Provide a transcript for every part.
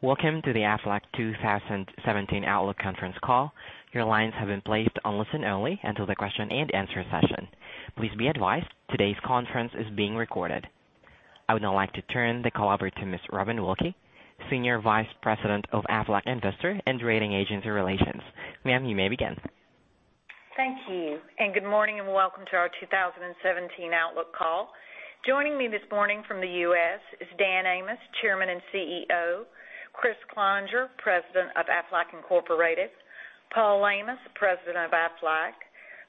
Welcome to the Aflac 2017 Outlook Conference Call. Your lines have been placed on listen only until the question and answer session. Please be advised today's conference is being recorded. I would now like to turn the call over to Ms. Robin Wilkey, Senior Vice President of Aflac Investor and Rating Agency Relations. Ma'am, you may begin. Thank you. Good morning, and welcome to our 2017 outlook call. Joining me this morning from the U.S. is Dan Amos, Chairman and CEO, Dan Amos, President of Aflac Incorporated, Dan Amos, President of Aflac,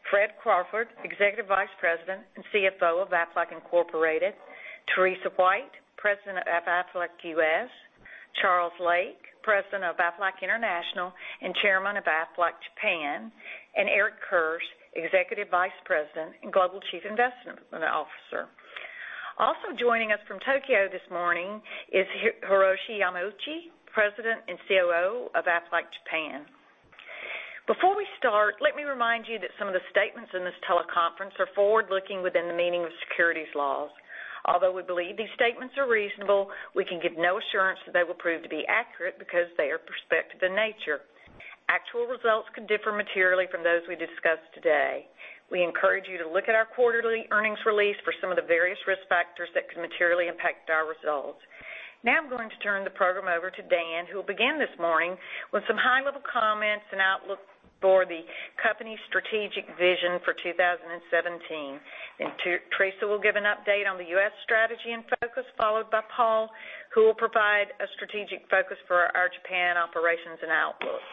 Fred Crawford, Executive Vice President and CFO of Aflac Incorporated, Teresa White, President of Aflac U.S., Charles Lake, President of Aflac International and Chairman of Aflac Japan, and Eric Kirsch, Executive Vice President and Global Chief Investment Officer. Also joining us from Tokyo this morning is Hiroshi Yamauchi, President and COO of Aflac Japan. Before we start, let me remind you that some of the statements in this teleconference are forward-looking within the meaning of securities laws. Although we believe these statements are reasonable, we can give no assurance that they will prove to be accurate because they are prospective in nature. Actual results could differ materially from those we discuss today. We encourage you to look at our quarterly earnings release for some of the various risk factors that could materially impact our results. Now I'm going to turn the program over to Dan, who will begin this morning with some high-level comments and outlook for the company's strategic vision for 2017. Teresa will give an update on the U.S. strategy and focus, followed by Dan, who will provide a strategic focus for our Japan operations and outlook.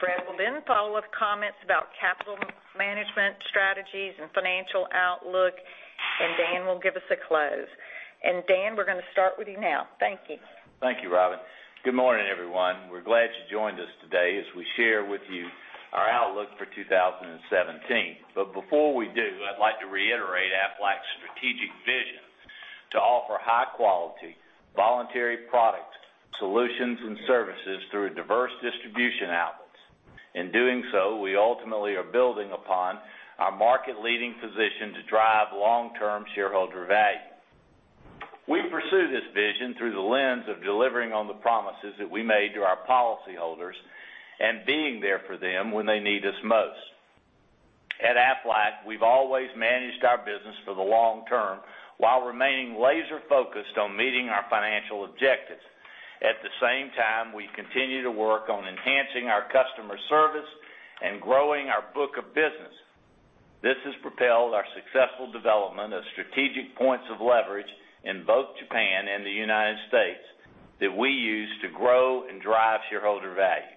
Fred will then follow with comments about capital management strategies and financial outlook. Dan will give us a close. Dan, we're going to start with you now. Thank you. Thank you, Robin. Good morning, everyone. We're glad you joined us today as we share with you our outlook for 2017. Before we do, I'd like to reiterate Aflac's strategic vision to offer high-quality voluntary products, solutions, and services through diverse distribution outlets. In doing so, we ultimately are building upon our market-leading position to drive long-term shareholder value. We pursue this vision through the lens of delivering on the promises that we made to our policyholders and being there for them when they need us most. At Aflac, we've always managed our business for the long term while remaining laser-focused on meeting our financial objectives. At the same time, we continue to work on enhancing our customer service and growing our book of business. This has propelled our successful development of strategic points of leverage in both Japan and the U.S. that we use to grow and drive shareholder value.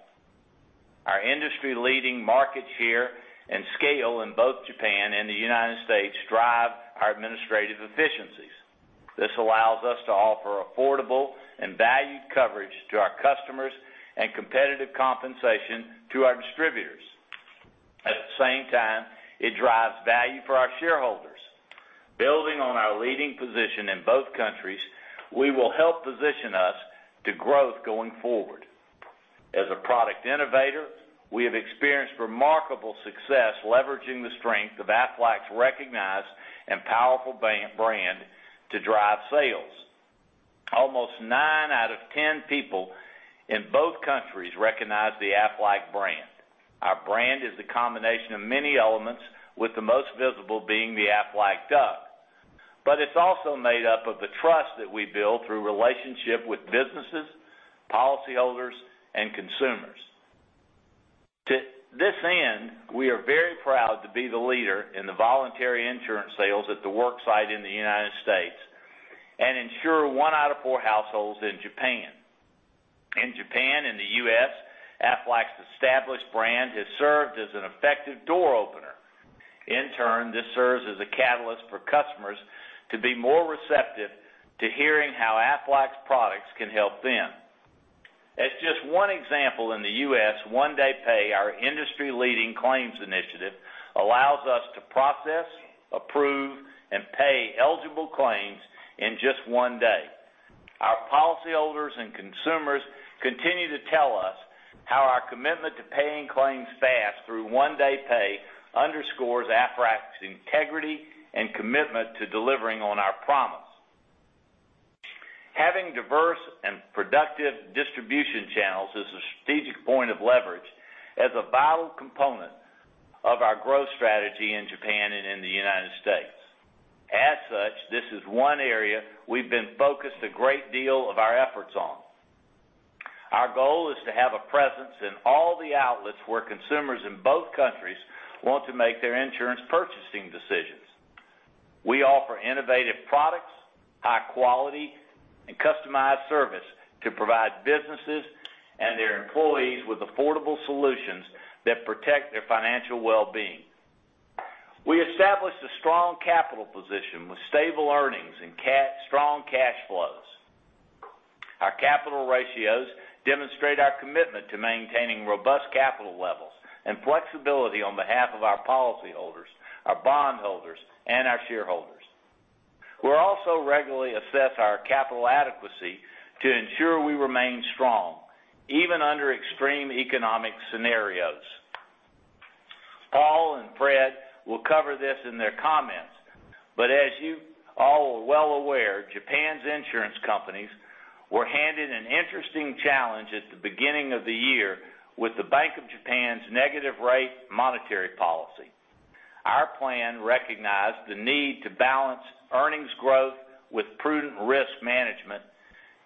Our industry-leading market share and scale in both Japan and the U.S. drive our administrative efficiencies. This allows us to offer affordable and valued coverage to our customers and competitive compensation to our distributors. At the same time, it drives value for our shareholders. Building on our leading position in both countries, we will help position us to growth going forward. As a product innovator, we have experienced remarkable success leveraging the strength of Aflac's recognized and powerful brand to drive sales. Almost nine out of 10 people in both countries recognize the Aflac brand. Our brand is the combination of many elements, with the most visible being the Aflac duck. It's also made up of the trust that we build through relationship with businesses, policyholders, and consumers. To this end, we are very proud to be the leader in the voluntary insurance sales at the work site in the U.S. and insure one out of four households in Japan. In Japan and the U.S., Aflac's established brand has served as an effective door opener. In turn, this serves as a catalyst for customers to be more receptive to hearing how Aflac's products can help them. As just one example, in the U.S., One Day Pay, our industry-leading claims initiative, allows us to process, approve, and pay eligible claims in just one day. Our policyholders and consumers continue to tell us how our commitment to paying claims fast through One Day Pay underscores Aflac's integrity and commitment to delivering on our promise. Having diverse and productive distribution channels is a strategic point of leverage as a vital component of our growth strategy in Japan and in the U.S. As such, this is one area we've been focused a great deal of our efforts on. Our goal is to have a presence in all the outlets where consumers in both countries want to make their insurance purchasing decisions. We offer innovative products, high quality, and customized service to provide businesses and their employees with affordable solutions that protect their financial well-being. We established a strong capital position with stable earnings and strong cash flows. Our capital ratios demonstrate our commitment to maintaining robust capital levels and flexibility on behalf of our policyholders, our bondholders, and our shareholders. We also regularly assess our capital adequacy to ensure we remain strong, even under extreme economic scenarios. Will cover this in their comments. As you all are well aware, Japan's insurance companies were handed an interesting challenge at the beginning of the year with the Bank of Japan's negative rate monetary policy. Our plan recognized the need to balance earnings growth with prudent risk management,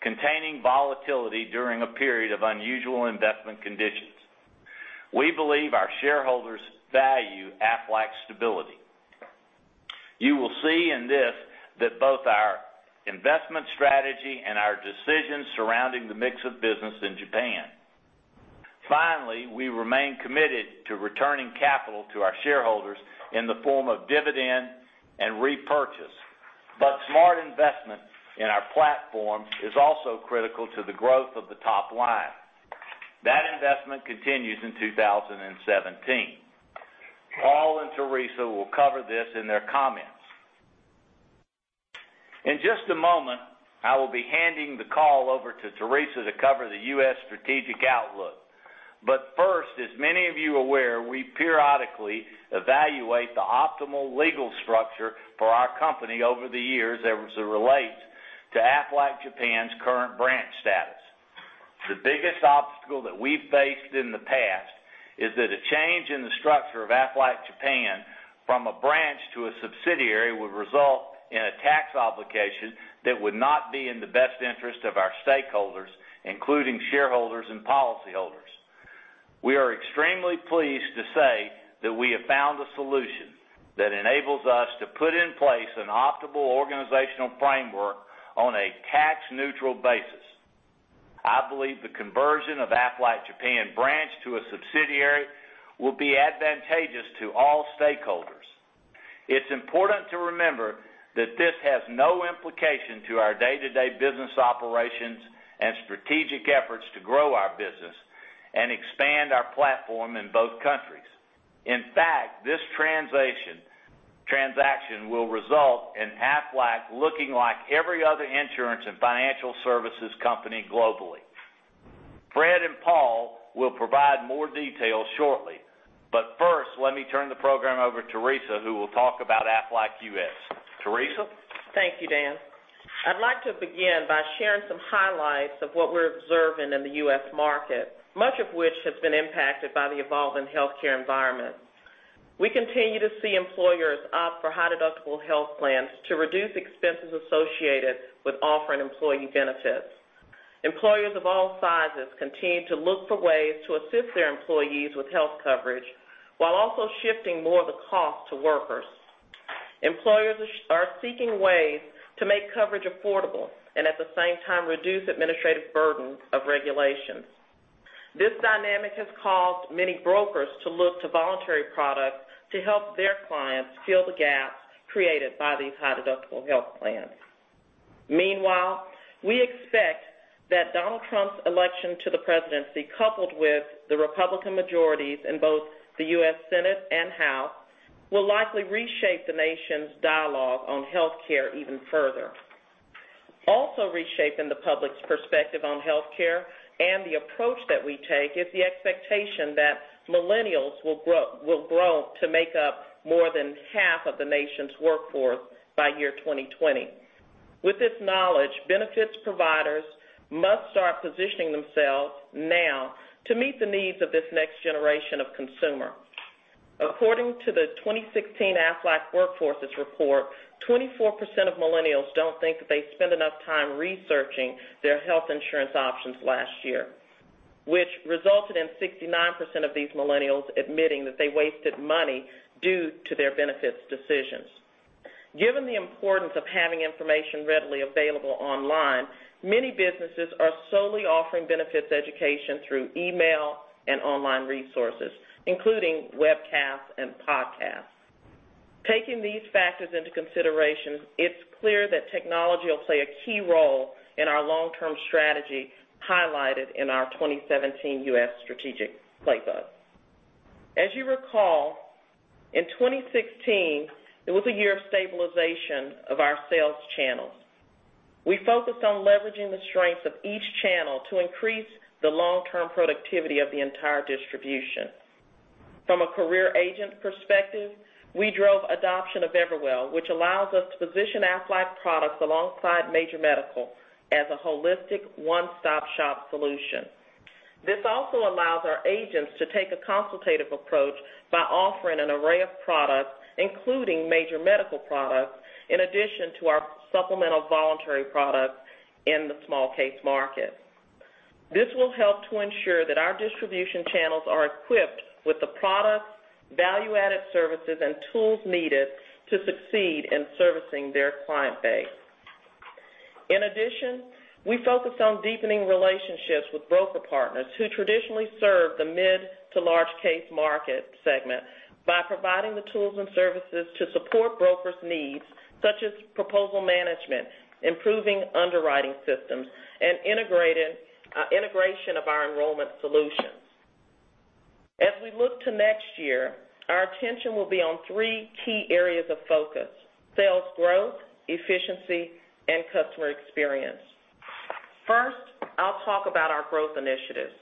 containing volatility during a period of unusual investment conditions. We believe our shareholders value Aflac's stability. You will see in this that both our investment strategy and our decisions surrounding the mix of business in Japan. Finally, we remain committed to returning capital to our shareholders in the form of dividend and repurchase. Smart investment in our platform is also critical to the growth of the top line. That investment continues in 2017. Paul and Teresa will cover this in their comments. In just a moment, I will be handing the call over to Teresa to cover the U.S. strategic outlook. First, as many of you are aware, we periodically evaluate the optimal legal structure for our company over the years as it relates to Aflac Japan's current branch status. The biggest obstacle that we've faced in the past is that a change in the structure of Aflac Japan from a branch to a subsidiary would result in a tax obligation that would not be in the best interest of our stakeholders, including shareholders and policyholders. We are extremely pleased to say that we have found a solution that enables us to put in place an optimal organizational framework on a tax-neutral basis. I believe the conversion of Aflac Japan branch to a subsidiary will be advantageous to all stakeholders. It's important to remember that this has no implication to our day-to-day business operations and strategic efforts to grow our business and expand our platform in both countries. In fact, this transaction will result in Aflac looking like every other insurance and financial services company globally. Fred and Paul will provide more details shortly. First, let me turn the program over to Teresa, who will talk about Aflac U.S. Teresa? Thank you, Dan. I'd like to begin by sharing some highlights of what we're observing in the U.S. market, much of which has been impacted by the evolving healthcare environment. We continue to see employers opt for high-deductible health plans to reduce expenses associated with offering employee benefits. Employers of all sizes continue to look for ways to assist their employees with health coverage while also shifting more of the cost to workers. Employers are seeking ways to make coverage affordable and at the same time reduce administrative burdens of regulations. This dynamic has caused many brokers to look to voluntary products to help their clients fill the gaps created by these high-deductible health plans. Meanwhile, we expect that Donald Trump's election to the presidency, coupled with the Republican majorities in both the U.S. Senate and House, will likely reshape the nation's dialogue on healthcare even further. Also reshaping the public's perspective on healthcare and the approach that we take is the expectation that millennials will grow to make up more than half of the nation's workforce by year 2020. With this knowledge, benefits providers must start positioning themselves now to meet the needs of this next generation of consumer. According to the 2016 Aflac WorkForces Report, 24% of millennials don't think that they spent enough time researching their health insurance options last year, which resulted in 69% of these millennials admitting that they wasted money due to their benefits decisions. Given the importance of having information readily available online, many businesses are solely offering benefits education through email and online resources, including webcasts and podcasts. Taking these factors into consideration, it's clear that technology will play a key role in our long-term strategy highlighted in our 2017 U.S. strategic playbook. As you recall, in 2016, it was a year of stabilization of our sales channels. We focused on leveraging the strength of each channel to increase the long-term productivity of the entire distribution. From a career agent perspective, we drove adoption of Everwell, which allows us to position Aflac products alongside major medical as a holistic one-stop shop solution. This also allows our agents to take a consultative approach by offering an array of products, including major medical products, in addition to our supplemental voluntary products in the small case market. This will help to ensure that our distribution channels are equipped with the products, value-added services, and tools needed to succeed in servicing their client base. In addition, we focused on deepening relationships with broker partners who traditionally serve the mid to large case market segment by providing the tools and services to support brokers' needs, such as proposal management, improving underwriting systems, and integration of our enrollment solutions. As we look to next year, our attention will be on three key areas of focus, sales growth, efficiency, and customer experience. First, I'll talk about our growth initiatives.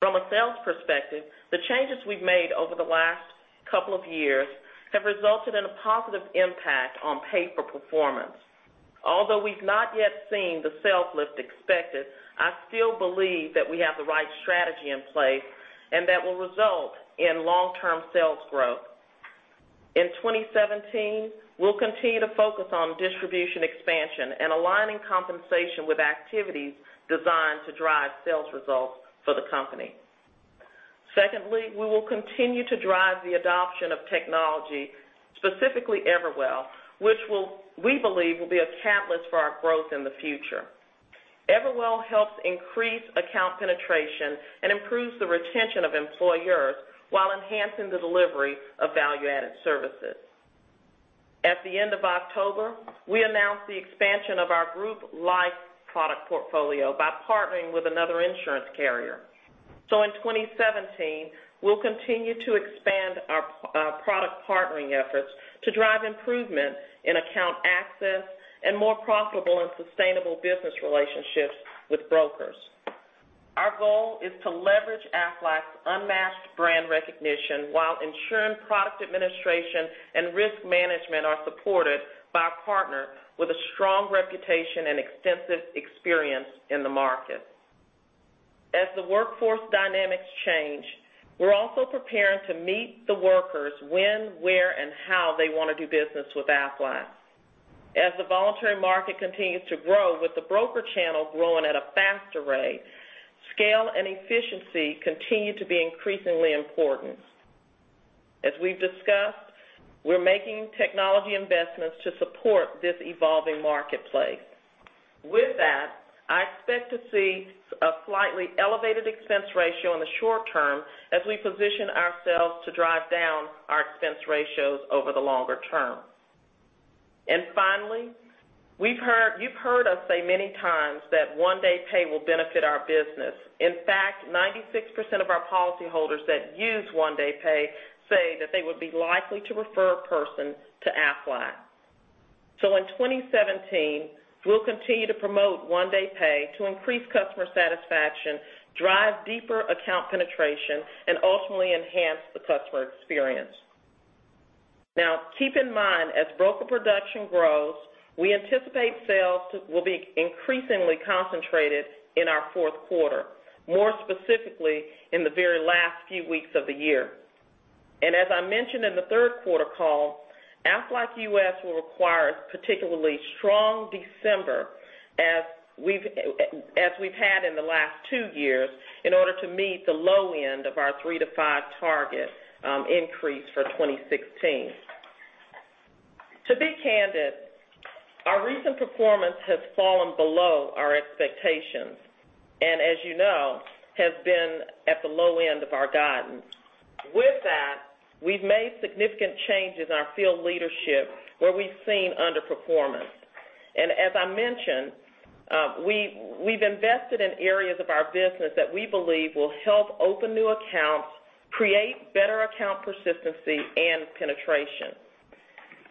From a sales perspective, the changes we've made over the last couple of years have resulted in a positive impact on pay for performance. Although we've not yet seen the sales lift expected, I still believe that we have the right strategy in place, and that will result in long-term sales growth. In 2017, we'll continue to focus on distribution expansion and aligning compensation with activities designed to drive sales results for the company. Secondly, we will continue to drive the adoption of technology, specifically Everwell, which we believe will be a catalyst for our growth in the future. Everwell helps increase account penetration and improves the retention of employers while enhancing the delivery of value-added services. At the end of October, we announced the expansion of our group life product portfolio by partnering with another insurance carrier. In 2017, we'll continue to expand our product partnering efforts to drive improvement in account access and more profitable and sustainable business relationships with brokers. Our goal is to leverage Aflac's unmatched brand recognition while ensuring product administration and risk management are supported by a partner with a strong reputation and extensive experience in the market. As the workforce dynamics change, we're also preparing to meet the workers when, where, and how they want to do business with Aflac. As the voluntary market continues to grow with the broker channel growing at a faster rate, scale and efficiency continue to be increasingly important. As we've discussed, we're making technology investments to support this evolving marketplace. With that, I expect to see a slightly elevated expense ratio in the short term as we position ourselves to drive down our expense ratios over the longer term. Finally, you've heard us say many times that One Day Pay will benefit our business. In fact, 96% of our policyholders that use One Day Pay say that they would be likely to refer a person to Aflac. In 2017, we'll continue to promote One Day Pay to increase customer satisfaction, drive deeper account penetration, and ultimately enhance the customer experience. Now, keep in mind, as broker production grows, we anticipate sales will be increasingly concentrated in our fourth quarter, more specifically in the very last few weeks of the year. As I mentioned in the third quarter call, Aflac U.S. will require a particularly strong December as we've had in the last two years in order to meet the low end of our 3% to 5% target increase for 2016. To be candid, our recent performance has fallen below our expectations and as you know, has been at the low end of our guidance. With that, we've made significant changes in our field leadership where we've seen underperformance. As I mentioned, we've invested in areas of our business that we believe will help open new accounts, create better account persistency, and penetration.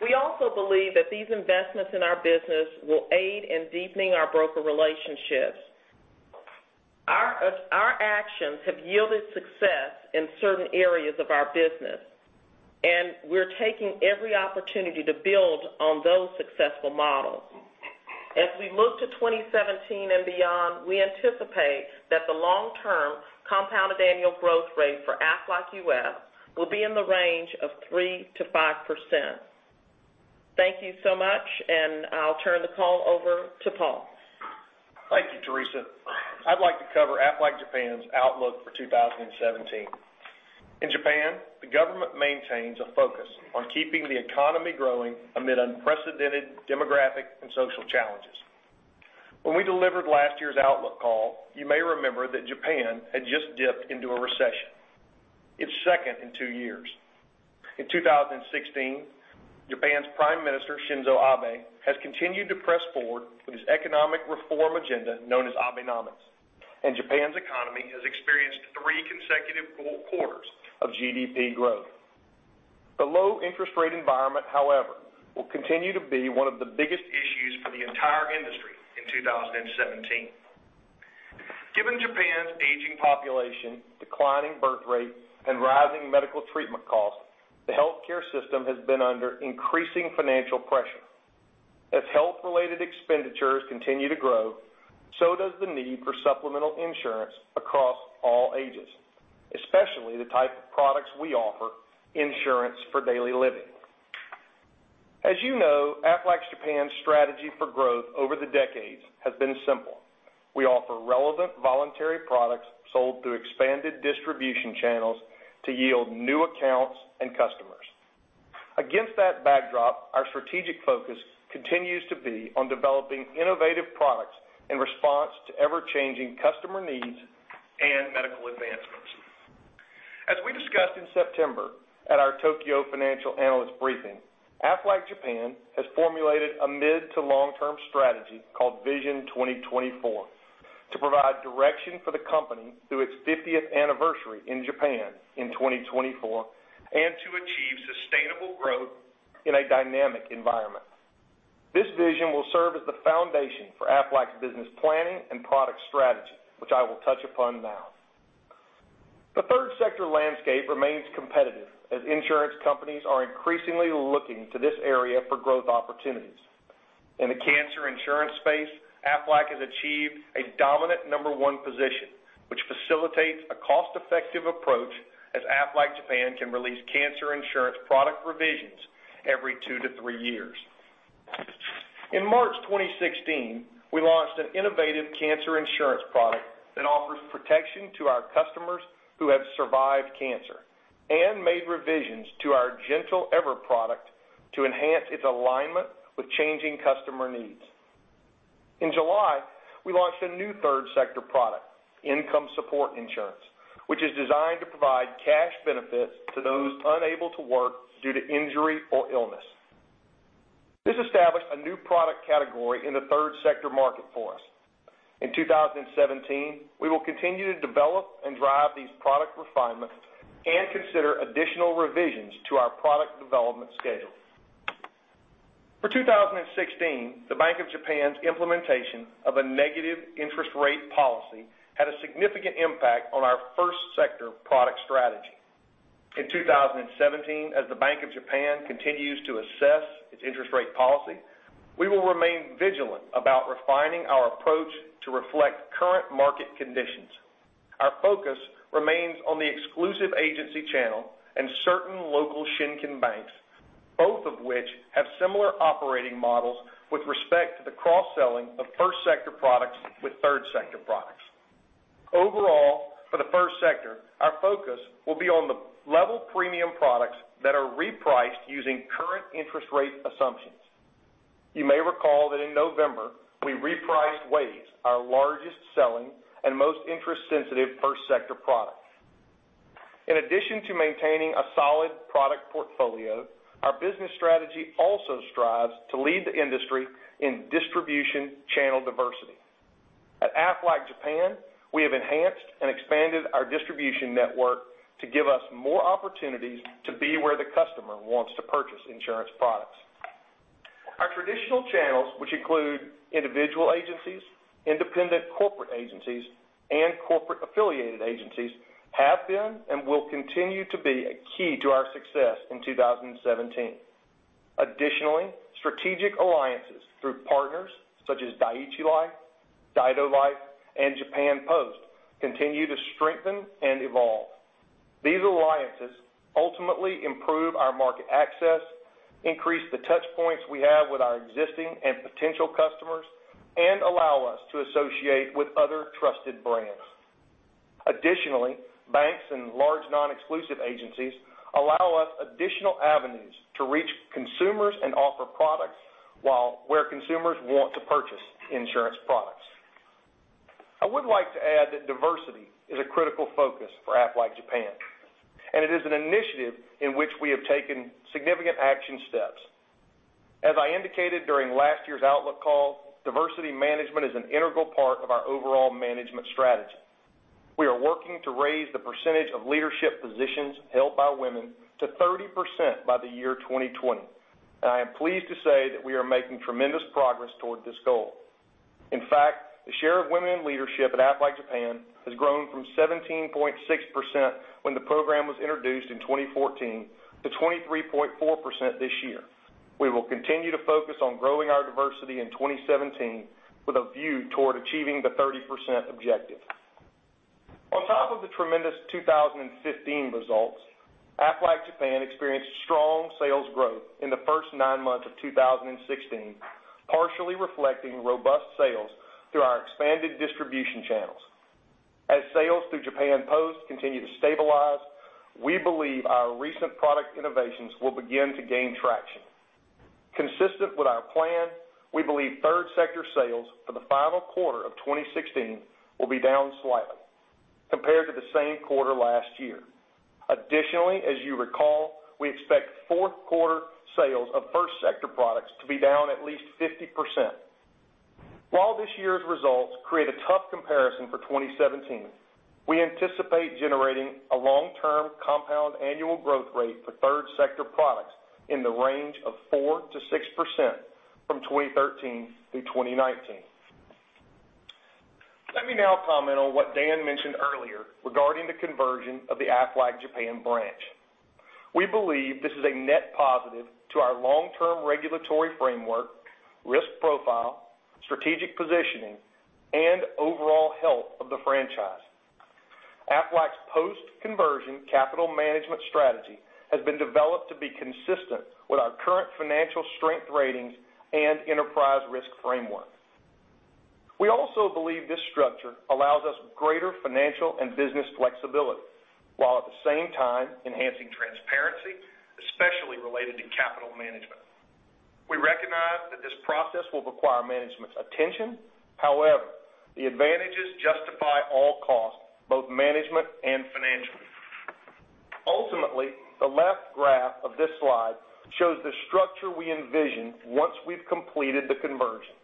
We also believe that these investments in our business will aid in deepening our broker relationships. Our actions have yielded success in certain areas of our business, and we're taking every opportunity to build on those successful models. As we look to 2017 and beyond, we anticipate that the long-term compounded annual growth rate for Aflac U.S. will be in the range of 3% to 5%. Thank you so much, and I'll turn the call over to Paul. Thank you, Teresa. I'd like to cover Aflac Japan's outlook for 2017. In Japan, the government maintains a focus on keeping the economy growing amid unprecedented demographic and social challenges. When we delivered last year's outlook call, you may remember that Japan had just dipped into a recession. Its second in two years. In 2016, Japan's Prime Minister Shinzo Abe has continued to press forward with his economic reform agenda known as Abenomics, and Japan's economy has experienced three consecutive full quarters of GDP growth. The low interest rate environment, however, will continue to be one of the biggest issues for the entire industry in 2017. Given Japan's aging population, declining birthrate, and rising medical treatment costs, the healthcare system has been under increasing financial pressure. As health-related expenditures continue to grow, so does the need for supplemental insurance across all ages, especially the type of products we offer, insurance for daily living. As you know, Aflac Japan's strategy for growth over the decades has been simple. We offer relevant voluntary products sold through expanded distribution channels to yield new accounts and customers. Against that backdrop, our strategic focus continues to be on developing innovative products in response to ever-changing customer needs and medical advancements. As we discussed in September at our Tokyo financial analyst briefing, Aflac Japan has formulated a mid to long-term strategy called VISION 2024 to provide direction for the company through its 50th anniversary in Japan in 2024 and to achieve sustainable growth in a dynamic environment. This vision will serve as the foundation for Aflac's business planning and product strategy, which I will touch upon now. The third sector landscape remains competitive as insurance companies are increasingly looking to this area for growth opportunities. In the cancer insurance space, Aflac has achieved a dominant number one position, which facilitates a cost-effective approach as Aflac Japan can release cancer insurance product revisions every two to three years. In March 2016, we launched an innovative cancer insurance product that offers protection to our customers who have survived cancer and made revisions to our Gentle Ever product to enhance its alignment with changing customer needs. In July, we launched a new third sector product, income support insurance, which is designed to provide cash benefits to those unable to work due to injury or illness. This established a new product category in the third sector market for us. In 2017, we will continue to develop and drive these product refinements and consider additional revisions to our product development schedule. For 2016, the Bank of Japan's implementation of a negative interest rate policy had a significant impact on our first sector product strategy. In 2017, as the Bank of Japan continues to assess its interest rate policy, we will remain vigilant about refining our approach to reflect current market conditions. Our focus remains on the exclusive agency channel and certain local Shinkin banks, both of which have similar operating models with respect to the cross-selling of first sector products with third sector products. Overall, for the first sector, our focus will be on the level premium products that are repriced using current interest rate assumptions. You may recall that in November, we repriced WAYS, our largest-selling and most interest-sensitive first sector product. In addition to maintaining a solid product portfolio, our business strategy also strives to lead the industry in distribution channel diversity. At Aflac Japan, we have enhanced and expanded our distribution network to give us more opportunities to be where the customer wants to purchase insurance products. Our traditional channels, which include individual agencies, independent corporate agencies, and corporate-affiliated agencies, have been and will continue to be a key to our success in 2017. Additionally, strategic alliances through partners such as Dai-ichi Life, Daido Life, and Japan Post continue to strengthen and evolve. These alliances ultimately improve our market access, increase the touchpoints we have with our existing and potential customers, and allow us to associate with other trusted brands. Additionally, banks and large non-exclusive agencies allow us additional avenues to reach consumers and offer products where consumers want to purchase insurance products. I would like to add that diversity is a critical focus for Aflac Japan, and it is an initiative in which we have taken significant action steps. As I indicated during last year's outlook call, diversity management is an integral part of our overall management strategy. We are working to raise the percentage of leadership positions held by women to 30% by the year 2020, and I am pleased to say that we are making tremendous progress towards this goal. In fact, the share of women in leadership at Aflac Japan has grown from 17.6% when the program was introduced in 2014 to 23.4% this year. We will continue to focus on growing our diversity in 2017 with a view toward achieving the 30% objective. On top of the tremendous 2015 results, Aflac Japan experienced strong sales growth in the first nine months of 2016, partially reflecting robust sales through our expanded distribution channels. As sales through Japan Post continue to stabilize, we believe our recent product innovations will begin to gain traction. Consistent with our plan, we believe third sector sales for the final quarter of 2016 will be down slightly compared to the same quarter last year. Additionally, as you recall, we expect fourth quarter sales of first sector products to be down at least 50%. While this year's results create a tough comparison for 2017, we anticipate generating a long-term compound annual growth rate for third sector products in the range of 4%-6% from 2013 through 2019. Let me now comment on what Dan mentioned earlier regarding the conversion of the Aflac Japan branch. We believe this is a net positive to our long-term regulatory framework, risk profile, strategic positioning, and overall health of the franchise. Aflac's post-conversion capital management strategy has been developed to be consistent with our current financial strength ratings and enterprise risk framework. We also believe this structure allows us greater financial and business flexibility, while at the same time enhancing transparency, especially related to capital management. We recognize that this process will require management's attention. However, the advantages justify all costs, both management and financial. The left graph of this slide shows the structure we envision once we've completed the conversion.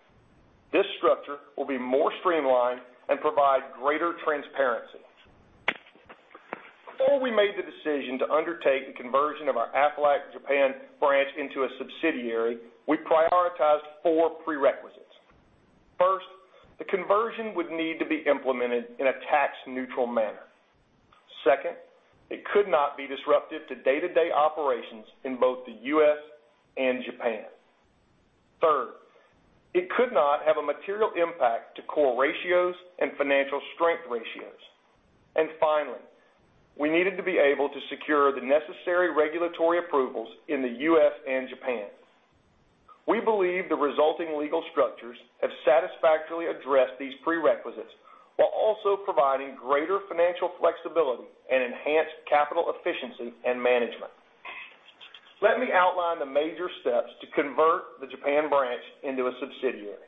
This structure will be more streamlined and provide greater transparency. Before we made the decision to undertake the conversion of our Aflac Japan branch into a subsidiary, we prioritized four prerequisites. First, the conversion would need to be implemented in a tax-neutral manner. Second, it could not be disruptive to day-to-day operations in both the U.S. and Japan. Third, it could not have a material impact to core ratios and financial strength ratios. Finally, we needed to be able to secure the necessary regulatory approvals in the U.S. and Japan. We believe the resulting legal structures have satisfactorily addressed these prerequisites while also providing greater financial flexibility and enhanced capital efficiency and management. Let me outline the major steps to convert the Japan branch into a subsidiary.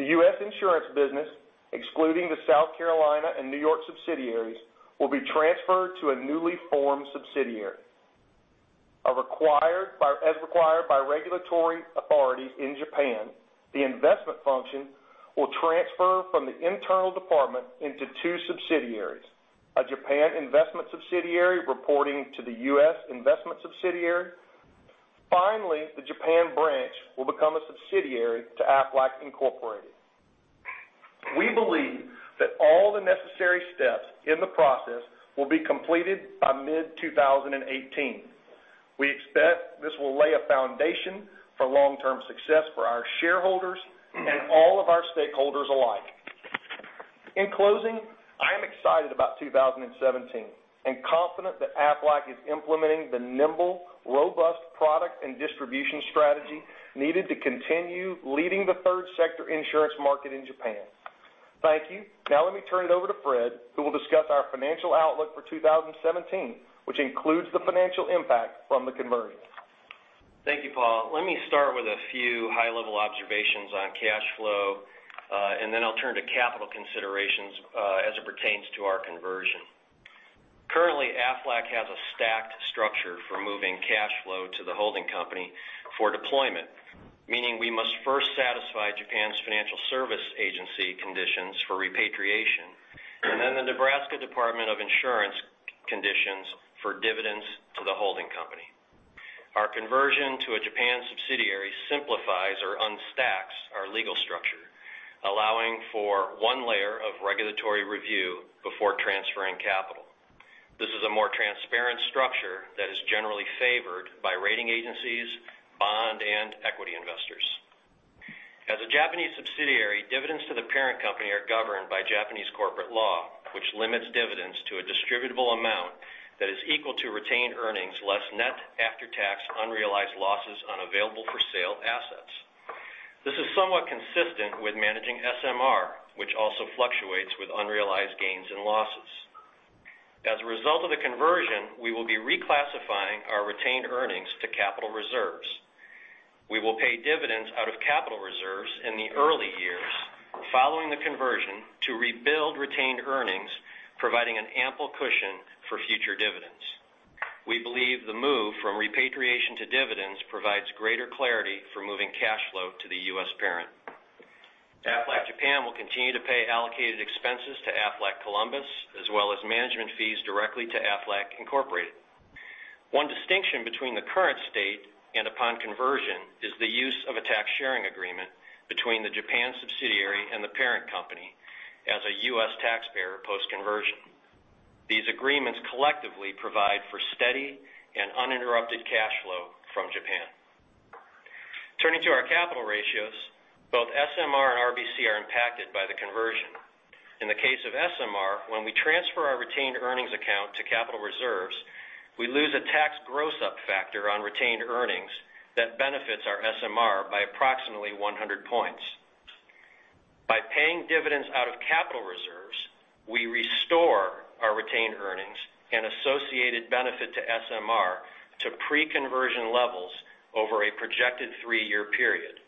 The U.S. insurance business, excluding the South Carolina and New York subsidiaries, will be transferred to a newly formed subsidiary. As required by regulatory authorities in Japan, the investment function will transfer from the internal department into two subsidiaries, a Japan investment subsidiary reporting to the U.S. investment subsidiary. Finally, the Japan branch will become a subsidiary to Aflac Incorporated. We believe that all the necessary steps in the process will be completed by mid-2018. We expect this will lay a foundation for long-term success for our shareholders and all of our stakeholders alike. In closing, I am excited about 2017 and confident that Aflac is implementing the nimble, robust product and distribution strategy needed to continue leading the third sector insurance market in Japan. Thank you. Now let me turn it over to Fred, who will discuss our financial outlook for 2017, which includes the financial impact from the conversion. Thank you, Paul. Let me start with a few high-level observations on cash flow. Then I'll turn to capital considerations as it pertains to our conversion. Currently, Aflac has a stacked structure for moving cash flow to the holding company for deployment, meaning we must first satisfy Japan's Financial Services Agency conditions for repatriation. Then the Nebraska Department of Insurance conditions for dividends to the holding company. Our conversion to a Japan subsidiary simplifies or unstacks our legal structure, allowing for one layer of regulatory review before transferring capital. This is a more transparent structure that is generally favored by rating agencies, bond, and equity investors. As a Japanese subsidiary, dividends to the parent company are governed by Japanese corporate law, which limits dividends to a distributable amount that is equal to retained earnings less net after-tax unrealized losses on available-for-sale assets. This is somewhat consistent with managing SMR, which also fluctuates with unrealized gains and losses. As a result of the conversion, we will be reclassifying our retained earnings to capital reserves. We will pay dividends out of capital reserves in the early years following the conversion to rebuild retained earnings, providing an ample cushion for future dividends. We believe the move from repatriation to dividends provides greater clarity for moving cash flow to the U.S. parent. Aflac Japan will continue to pay allocated expenses to Aflac Columbus as well as management fees directly to Aflac Incorporated. One distinction between the current state and upon conversion is the use of a tax sharing agreement between the Japan subsidiary and the parent company as a U.S. taxpayer post-conversion. These agreements collectively provide for steady and uninterrupted cash flow from Japan. Turning to our capital ratios, both SMR and RBC are impacted by the conversion. In the case of SMR, when we transfer our retained earnings account to capital reserves, we lose a tax gross-up factor on retained earnings that benefits our SMR by approximately 100 points. By paying dividends out of capital reserves, we restore our retained earnings and associated benefit to SMR to pre-conversion levels over a projected three-year period.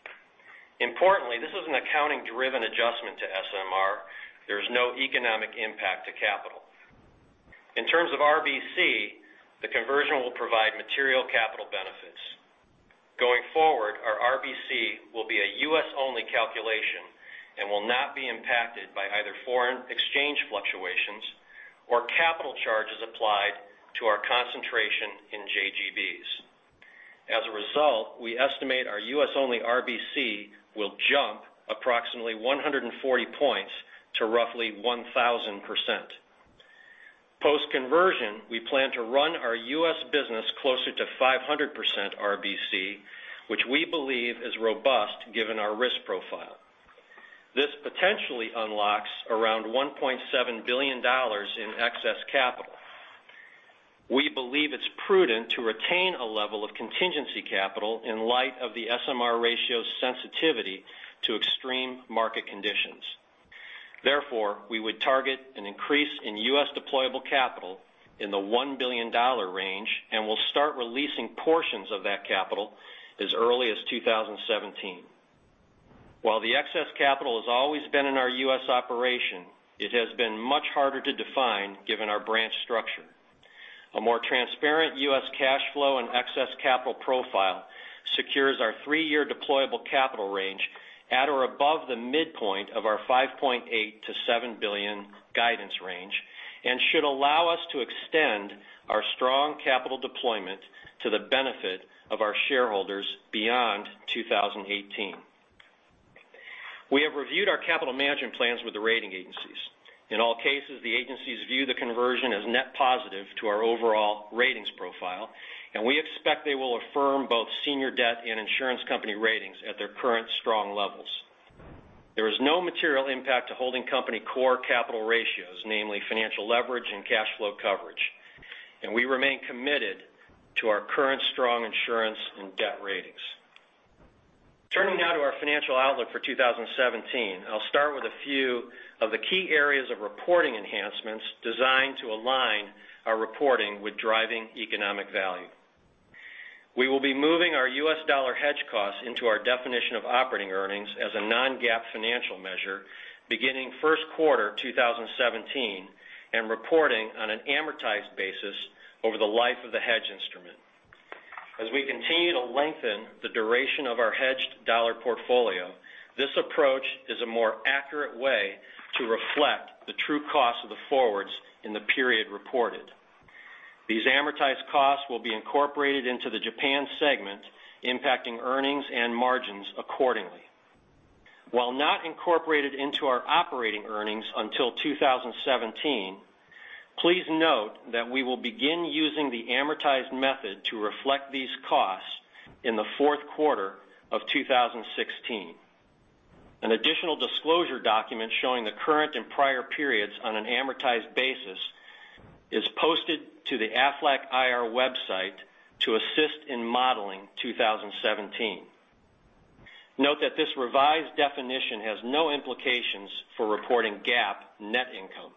Importantly, this is an accounting-driven adjustment to SMR. There is no economic impact to capital. In terms of RBC, the conversion will provide material capital benefits. Going forward, our RBC will be a U.S.-only calculation and will not be impacted by either foreign exchange fluctuations or capital charges applied to our concentration in JGBs. As a result, we estimate our U.S.-only RBC will jump approximately 140 points to roughly 1,000%. Post-conversion, we plan to run our U.S. business closer to 500% RBC, which we believe is robust given our risk profile. This potentially unlocks around $1.7 billion in excess capital. We believe it's prudent to retain a level of contingency capital in light of the SMR ratio's sensitivity to extreme market conditions. Therefore, we would target an increase in U.S. deployable capital in the $1 billion range. We'll start releasing portions of that capital as early as 2017. While the excess capital has always been in our U.S. operation, it has been much harder to define given our branch structure. A more transparent U.S. cash flow and excess capital profile secures our three-year deployable capital range at or above the midpoint of our $5.8 billion-$7 billion guidance range and should allow us to extend our strong capital deployment to the benefit of our shareholders beyond 2018. We have reviewed our capital management plans with the rating agencies. In all cases, the agencies view the conversion as net positive to our overall ratings profile, and we expect they will affirm both senior debt and insurance company ratings at their current strong levels. There is no material impact to holding company core capital ratios, namely financial leverage and cash flow coverage. We remain committed to our current strong insurance and debt ratings. Turning now to our financial outlook for 2017. I'll start with a few of the key areas of reporting enhancements designed to align our reporting with driving economic value. We will be moving our U.S. dollar hedge costs into our definition of operating earnings as a non-GAAP financial measure beginning first quarter 2017 and reporting on an amortized basis over the life of the hedge instrument. As we continue to lengthen the duration of our hedged dollar portfolio, this approach is a more accurate way to reflect the true cost of the forwards in the period reported. These amortized costs will be incorporated into the Japan segment, impacting earnings and margins accordingly. While not incorporated into our operating earnings until 2017, please note that we will begin using the amortized method to reflect these costs in the fourth quarter of 2016. An additional disclosure document showing the current and prior periods on an amortized basis is posted to the Aflac IR website to assist in modeling 2017. Note that this revised definition has no implications for reporting GAAP net income.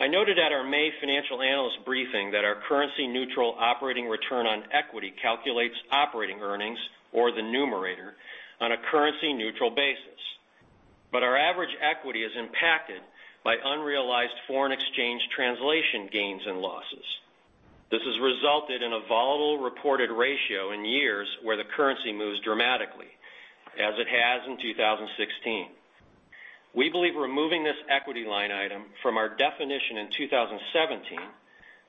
I noted at our May financial analyst briefing that our currency neutral operating return on equity calculates operating earnings or the numerator on a currency neutral basis. Our average equity is impacted by unrealized foreign exchange translation gains and losses. This has resulted in a volatile reported ratio in years where the currency moves dramatically, as it has in 2016. We believe removing this equity line item from our definition in 2017,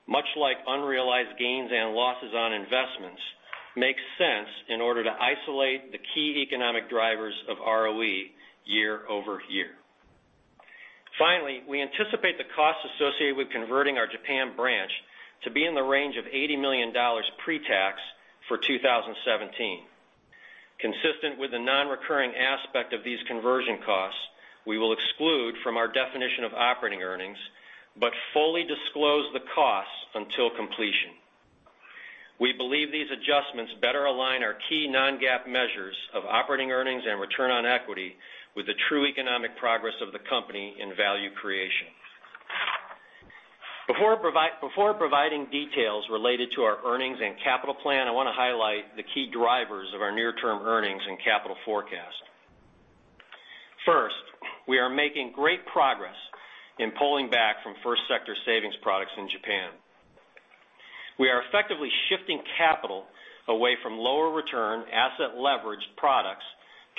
much like unrealized gains and losses on investments, makes sense in order to isolate the key economic drivers of ROE year-over-year. Finally, we anticipate the costs associated with converting our Japan branch to be in the range of $80 million pre-tax for 2017. Consistent with the non-recurring aspect of these conversion costs, we will exclude from our definition of operating earnings, but fully disclose the costs until completion. We believe these adjustments better align our key non-GAAP measures of operating earnings and return on equity with the true economic progress of the company in value creation. Before providing details related to our earnings and capital plan, I want to highlight the key drivers of our near term earnings and capital forecast. First, we are making great progress in pulling back from first sector savings products in Japan. We are effectively shifting capital away from lower return asset leveraged products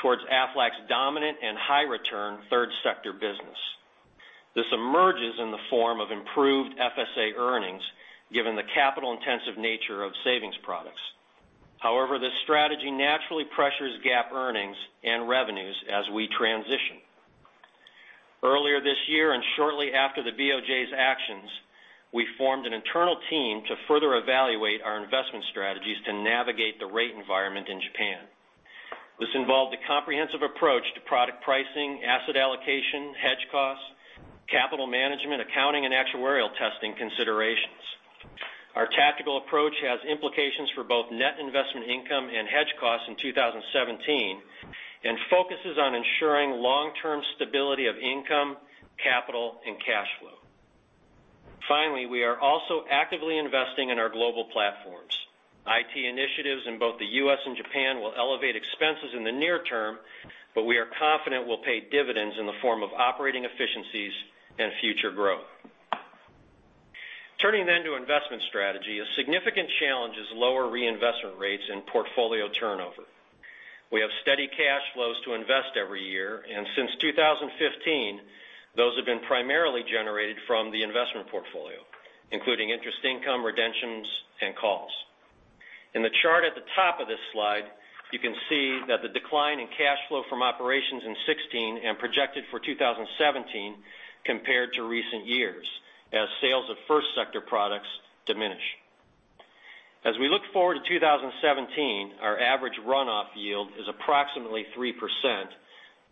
towards Aflac's dominant and high return third sector business. This emerges in the form of improved FSA earnings, given the capital intensive nature of savings products. This strategy naturally pressures GAAP earnings and revenues as we transition. Earlier this year and shortly after the BOJ's actions, we formed an internal team to further evaluate our investment strategies to navigate the rate environment in Japan. This involved a comprehensive approach to product pricing, asset allocation, hedge costs, capital management, accounting, and actuarial testing considerations. Our tactical approach has implications for both net investment income and hedge costs in 2017 and focuses on ensuring long-term stability of income, capital, and cash flow. We are also actively investing in our global platforms. IT initiatives in both the U.S. and Japan will elevate expenses in the near term, we are confident will pay dividends in the form of operating efficiencies and future growth. A significant challenge is lower reinvestment rates and portfolio turnover. We have steady cash flows to invest every year, and since 2015, those have been primarily generated from the investment portfolio, including interest income, redemptions, and calls. In the chart at the top of this slide, you can see that the decline in cash flow from operations in 2016 and projected for 2017 compared to recent years as sales of first sector products diminish. Looking forward to 2017, our average runoff yield is approximately 3%,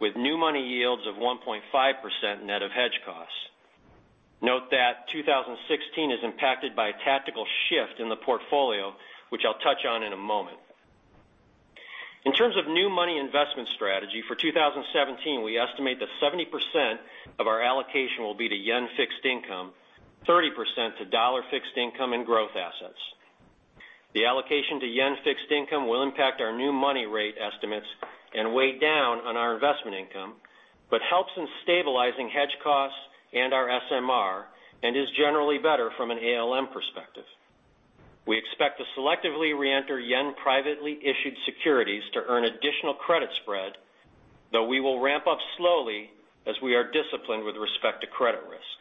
with new money yields of 1.5% net of hedge costs. Note that 2016 is impacted by a tactical shift in the portfolio, which I will touch on in a moment. In terms of new money investment strategy, for 2017, we estimate that 70% of our allocation will be to JPY-fixed income, 30% to USD-fixed income and growth assets. The allocation to JPY-fixed income will impact our new money rate estimates and weigh down on our investment income, helps in stabilizing hedge costs and our SMR, is generally better from an ALM perspective. We expect to selectively re-enter JPY privately issued securities to earn additional credit spread, though we will ramp up slowly as we are disciplined with respect to credit risk.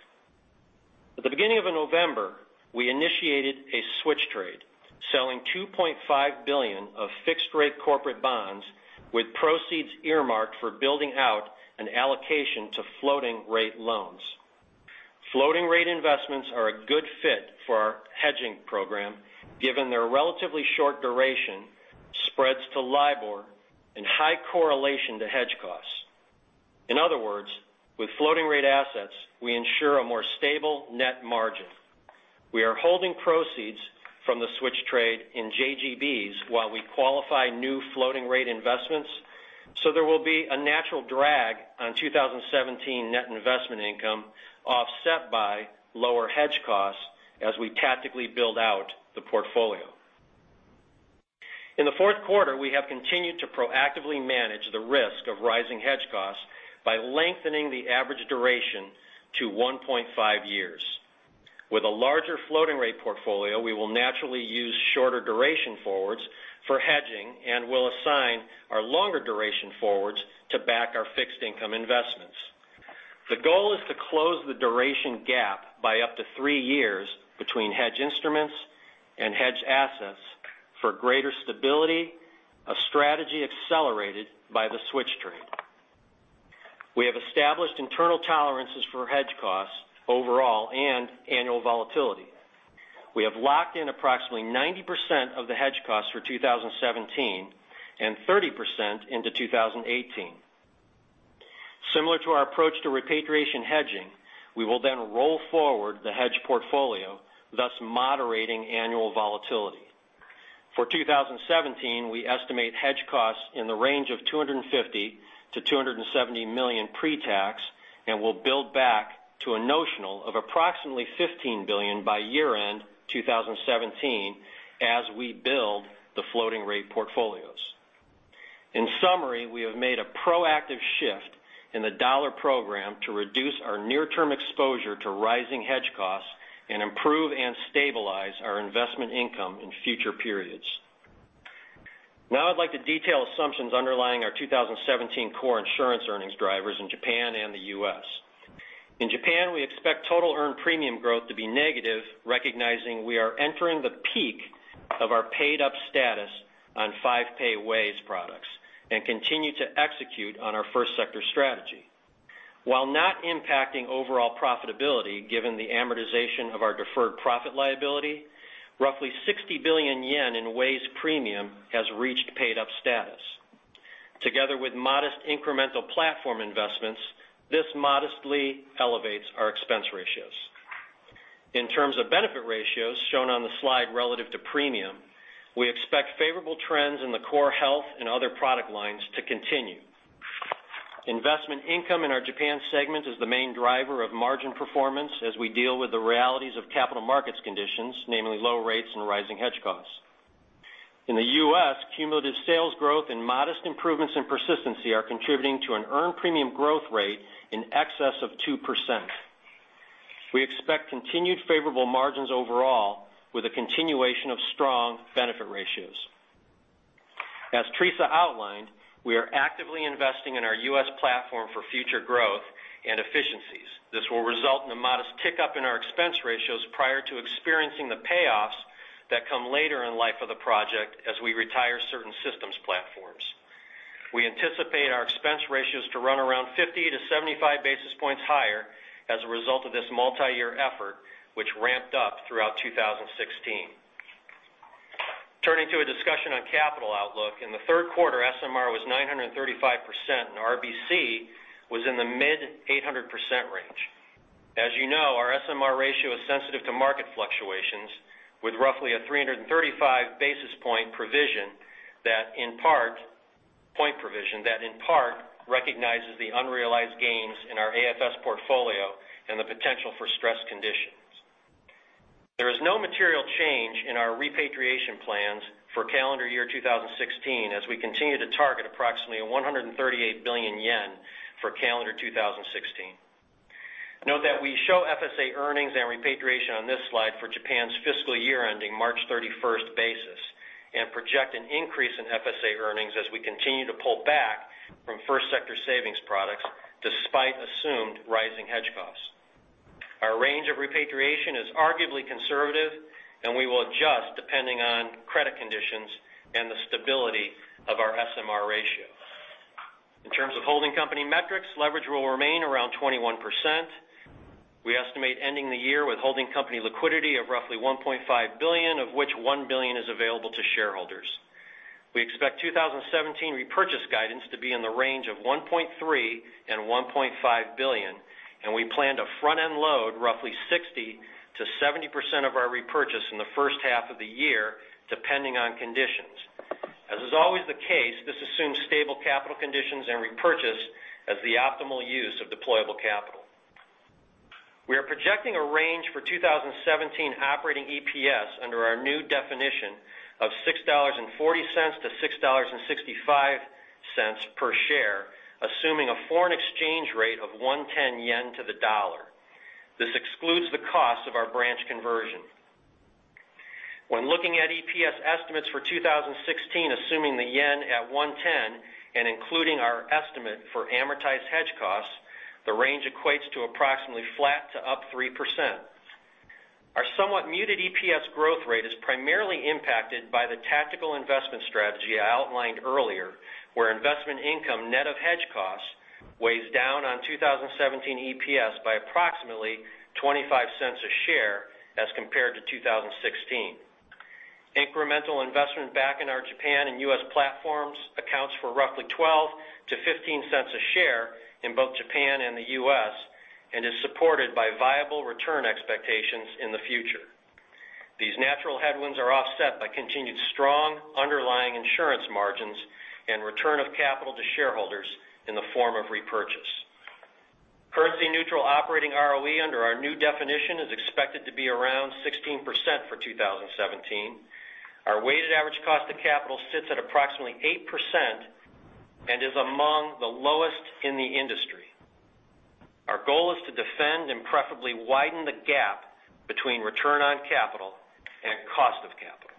At the beginning of November, we initiated a switch trade, selling $2.5 billion of fixed-rate corporate bonds with proceeds earmarked for building out an allocation to floating-rate loans. Floating-rate investments are a good fit for our hedging program, given their relatively short duration, spreads to LIBOR, and high correlation to hedge costs. In other words, with floating-rate assets, we ensure a more stable net margin. We are holding proceeds from the switch trade in JGBs while we qualify new floating-rate investments, there will be a natural drag on 2017 net investment income offset by lower hedge costs as we tactically build out the portfolio. In the fourth quarter, we have continued to proactively manage the risk of rising hedge costs by lengthening the average duration to 1.5 years. A larger floating-rate portfolio, we will naturally use shorter duration forwards for hedging and will assign our longer duration forwards to back our fixed-income investments. The goal is to close the duration gap by up to three years between hedge instruments and hedge assets for greater stability, a strategy accelerated by the switch trade. We have established internal tolerances for hedge costs overall and annual volatility. We have locked in approximately 90% of the hedge costs for 2017, and 30% into 2018. Similar to our approach to repatriation hedging, we will roll forward the hedge portfolio, thus moderating annual volatility. For 2017, we estimate hedge costs in the range of $250 million to $270 million pre-tax, and will build back to a notional of approximately $15 billion by year-end 2017 as we build the floating-rate portfolios. In summary, we have made a proactive shift in the dollar program to reduce our near-term exposure to rising hedge costs and improve and stabilize our investment income in future periods. I'd like to detail assumptions underlying our 2017 core insurance earnings drivers in Japan and the U.S. In Japan, we expect total earned premium growth to be negative, recognizing we are entering the peak of our paid-up status on five-pay WAYS products, and continue to execute on our first sector strategy. While not impacting overall profitability, given the amortization of our deferred profit liability, roughly 60 billion yen in WAYS premium has reached paid-up status. Together with modest incremental platform investments, this modestly elevates our expense ratios. In terms of benefit ratios shown on the slide relative to premium, we expect favorable trends in the core health and other product lines to continue. Investment income in our Japan segment is the main driver of margin performance as we deal with the realities of capital markets conditions, namely low rates and rising hedge costs. In the U.S., cumulative sales growth and modest improvements in persistency are contributing to an earned premium growth rate in excess of 2%. We expect continued favorable margins overall with a continuation of strong benefit ratios. As Teresa outlined, we are actively investing in our U.S. platform for future growth and efficiencies. This will result in a modest tick up in our expense ratios prior to experiencing the payoffs that come later in life of the project as we retire certain systems platforms. We anticipate our expense ratios to run around 50 to 75 basis points higher as a result of this multi-year effort, which ramped up throughout 2016. Turning to a discussion on capital outlook. In the third quarter, SMR was 935% and RBC was in the mid 800% range. As you know, our SMR ratio is sensitive to market fluctuations, with roughly a 335-basis point provision that in part recognizes the unrealized gains in our AFS portfolio and the potential for stress conditions. There is no material change in our repatriation plans for calendar year 2016 as we continue to target approximately 138 billion yen for calendar 2016. Note that we show FSA earnings and repatriation on this slide for Japan's fiscal year ending March 31st basis, and project an increase in FSA earnings as we continue to pull back from first sector savings products, despite assumed rising hedge costs. Our range of repatriation is arguably conservative, and we will adjust depending on credit conditions and the stability of our SMR ratio. In terms of holding company metrics, leverage will remain around 21%. We estimate ending the year with holding company liquidity of roughly $1.5 billion, of which $1 billion is available to shareholders. We expect 2017 repurchase guidance to be in the range of $1.3 billion-$1.5 billion, and we plan to front-end load roughly 60%-70% of our repurchase in the first half of the year, depending on conditions. As is always the case, this assumes stable capital conditions and repurchase as the optimal use of deployable capital. Projecting a range for 2017 operating EPS under our new definition of $6.40 to $6.65 per share, assuming a foreign exchange rate of 110 yen to the dollar. This excludes the cost of our branch conversion. When looking at EPS estimates for 2016, assuming the JPY at 110 and including our estimate for amortized hedge costs, the range equates to approximately flat to up 3%. Our somewhat muted EPS growth rate is primarily impacted by the tactical investment strategy I outlined earlier, where investment income net of hedge costs weighs down on 2017 EPS by approximately $0.25 a share as compared to 2016. Incremental investment back in our Japan and U.S. platforms accounts for roughly $0.12 to $0.15 a share in both Japan and the U.S. and is supported by viable return expectations in the future. These natural headwinds are offset by continued strong underlying insurance margins and return of capital to shareholders in the form of repurchase. Currency neutral operating ROE under our new definition is expected to be around 16% for 2017. Our weighted average cost of capital sits at approximately 8% and is among the lowest in the industry. Our goal is to defend and preferably widen the gap between return on capital and cost of capital.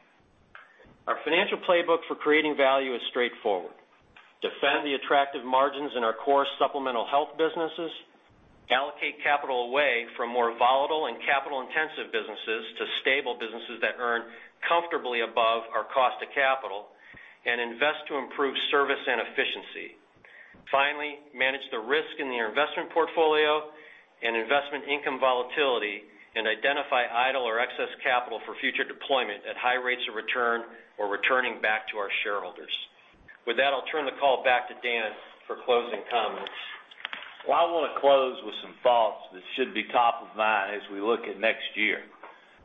Our financial playbook for creating value is straightforward. Defend the attractive margins in our core supplemental health businesses, allocate capital away from more volatile and capital-intensive businesses to stable businesses that earn comfortably above our cost of capital, and invest to improve service and efficiency. Finally, manage the risk in the investment portfolio and investment income volatility and identify idle or excess capital for future deployment at high rates of return or returning back to our shareholders. With that, I'll turn the call back to Dan for closing comments. Well, I want to close with some thoughts that should be top of mind as we look at next year.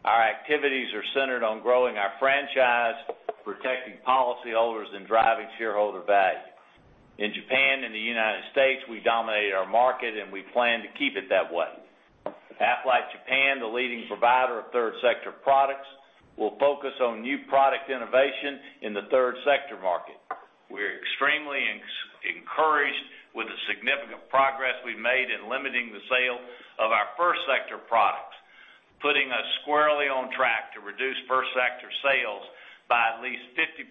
Our activities are centered on growing our franchise, protecting policyholders, and driving shareholder value. In Japan and the United States, we dominate our market, and we plan to keep it that way. Aflac Japan, the leading provider of third sector products, will focus on new product innovation in the third sector market. We're extremely encouraged with the significant progress we've made in limiting the sale of our first sector products, putting us squarely on track to reduce first sector sales by at least 50%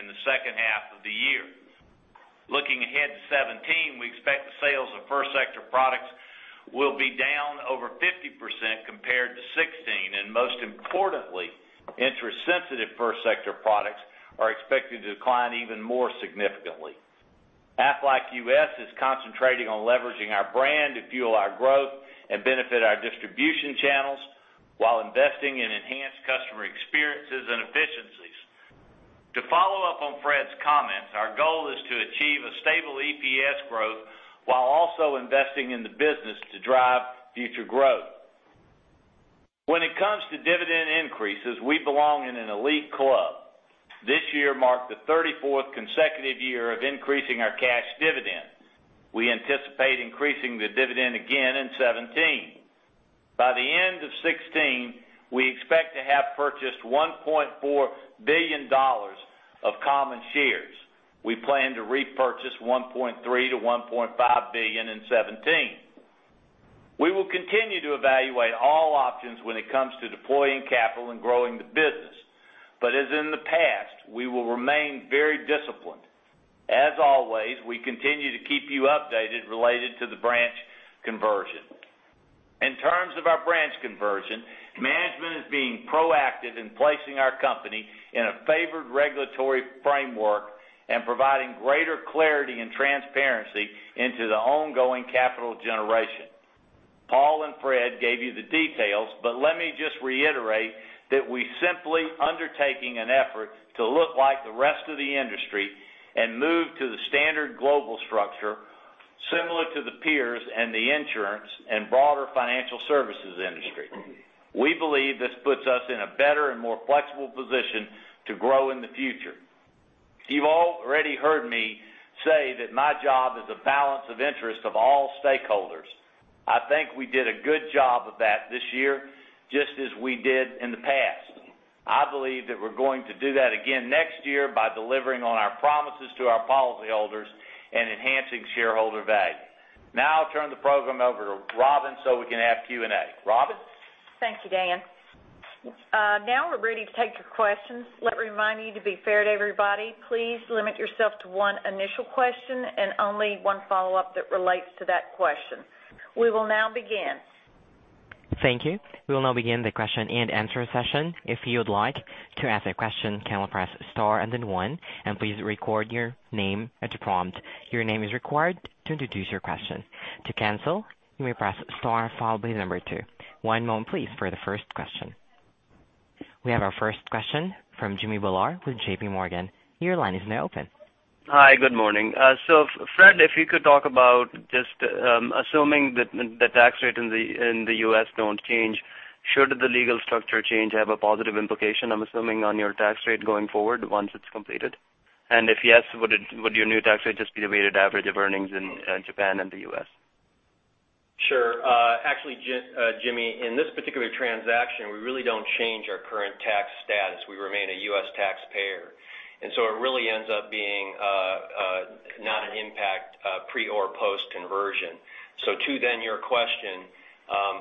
in the second half of the year. Looking ahead to 2017, we expect the sales of first sector products will be down over 50% compared to 2016, and most importantly, interest-sensitive first sector products are expected to decline even more significantly. Aflac U.S. is concentrating on leveraging our brand to fuel our growth and benefit our distribution channels while investing in enhanced customer experiences and efficiencies. To follow up on Fred's comments, our goal is to achieve a stable EPS growth while also investing in the business to drive future growth. When it comes to dividend increases, we belong in an elite club. This year marked the 34th consecutive year of increasing our cash dividends. We anticipate increasing the dividend again in 2017. By the end of 2016, we expect to have purchased $1.4 billion of common shares. We plan to repurchase $1.3 billion-$1.5 billion in 2017. As in the past, we will remain very disciplined. We will continue to evaluate all options when it comes to deploying capital and growing the business. As always, we continue to keep you updated related to the branch conversion. In terms of our branch conversion, management is being proactive in placing our company in a favored regulatory framework and providing greater clarity and transparency into the ongoing capital generation. Paul and Fred gave you the details. Let me just reiterate that we're simply undertaking an effort to look like the rest of the industry and move to the standard global structure, similar to the peers and the insurance and broader financial services industry. We believe this puts us in a better and more flexible position to grow in the future. You've already heard me say that my job is a balance of interest of all stakeholders. I think we did a good job of that this year, just as we did in the past. I believe that we're going to do that again next year by delivering on our promises to our policyholders and enhancing shareholder value. I'll turn the program over to Robin so we can have Q&A. Robin? Thank you, Dan. We're ready to take your questions. Let me remind you to be fair to everybody, please limit yourself to one initial question and only one follow-up that relates to that question. We will begin. Thank you. We will begin the question and answer session. If you would like to ask a question, can you press star and one, and please record your name at the prompt. Your name is required to introduce your question. To cancel, you may press star followed by two. One moment please for the first question. We have our first question from Jimmy Bhullar with JPMorgan. Your line is open. Hi, good morning. Fred, if you could talk about just assuming that the tax rate in the U.S. don't change Should the legal structure change have a positive implication, I'm assuming, on your tax rate going forward once it's completed? If yes, would your new tax rate just be the weighted average of earnings in Japan and the U.S.? Sure. Actually, Jimmy, in this particular transaction, we really don't change our current tax status. We remain a U.S. taxpayer, it really ends up being not an impact pre or post-conversion. To then your question,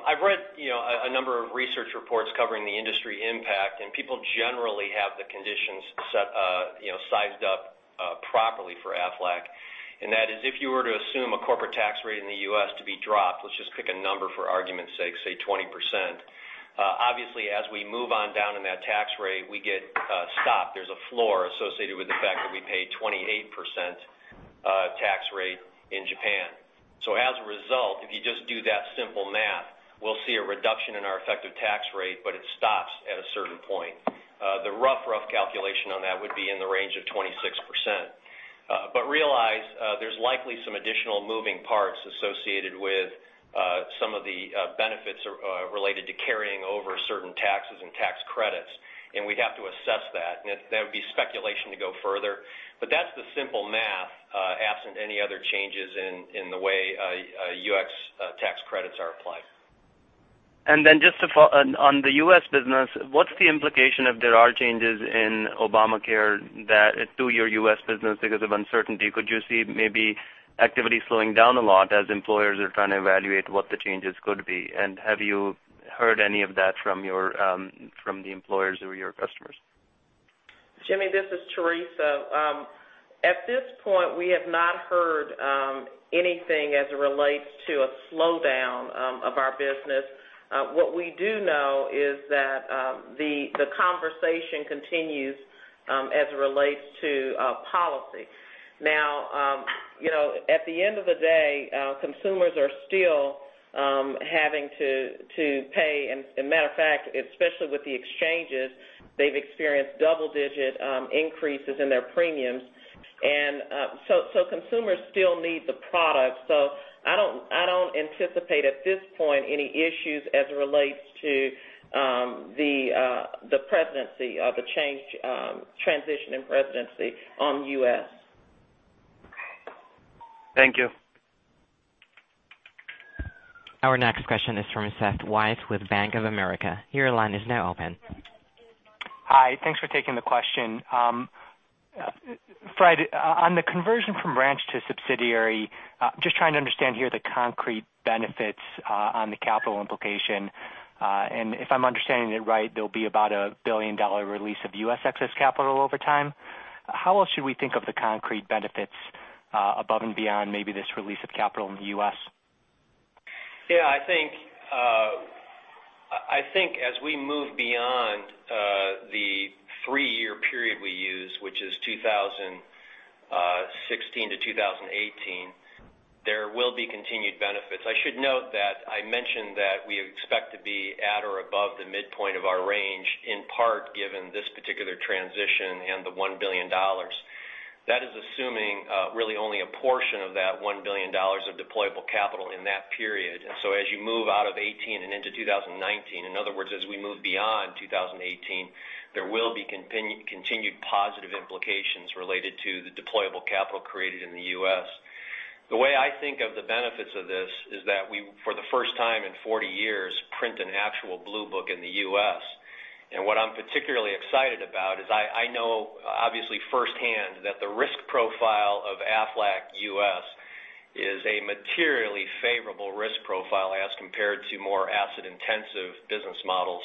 I've read a number of research reports covering the industry impact, and people generally have the conditions sized up properly for Aflac, and that is if you were to assume a corporate tax rate in the U.S. to be dropped, let's just pick a number for argument's sake, say 20%. Obviously, as we move on down in that tax rate, we get stopped. There's a floor associated with the fact that we pay 28% tax rate in Japan. As a result, if you just do that simple math, we'll see a reduction in our effective tax rate, but it stops at a certain point. The rough calculation on that would be in the range of 26%. Realize there's likely some additional moving parts associated with some of the benefits related to carrying over certain taxes and tax credits, and we'd have to assess that. That would be speculation to go further. That's the simple math, absent any other changes in the way U.S. tax credits are applied. Then just on the U.S. business, what's the implication if there are changes in Obamacare to your U.S. business because of uncertainty? Could you see maybe activity slowing down a lot as employers are trying to evaluate what the changes could be? Have you heard any of that from the employers who are your customers? Jimmy, this is Teresa. At this point, we have not heard anything as it relates to a slowdown of our business. What we do know is that the conversation continues as it relates to policy. At the end of the day, consumers are still having to pay and matter of fact, especially with the exchanges, they've experienced double-digit increases in their premiums. Consumers still need the product. I don't anticipate at this point any issues as it relates to the presidency or the transition in presidency on U.S. Thank you. Our next question is from Seth Weiss with Bank of America. Your line is now open. Hi. Thanks for taking the question. Fred, on the conversion from branch to subsidiary, just trying to understand here the concrete benefits on the capital implication. If I'm understanding it right, there'll be about a $1 billion release of U.S. excess capital over time. How else should we think of the concrete benefits above and beyond maybe this release of capital in the U.S.? Yeah, I think as we move beyond the three-year period we use, which is 2016-2018, there will be continued benefits. I should note that I mentioned that we expect to be at or above the midpoint of our range, in part given this particular transition and the $1 billion. That is assuming really only a portion of that $1 billion of deployable capital in that period. As you move out of 2018 and into 2019, in other words, as we move beyond 2018, there will be continued positive implications related to the deployable capital created in the U.S. The way I think of the benefits of this is that we, for the first time in 40 years, print an actual Blue Book in the U.S. What I'm particularly excited about is I know, obviously firsthand, that the risk profile of Aflac U.S. is a materially favorable risk profile as compared to more asset-intensive business models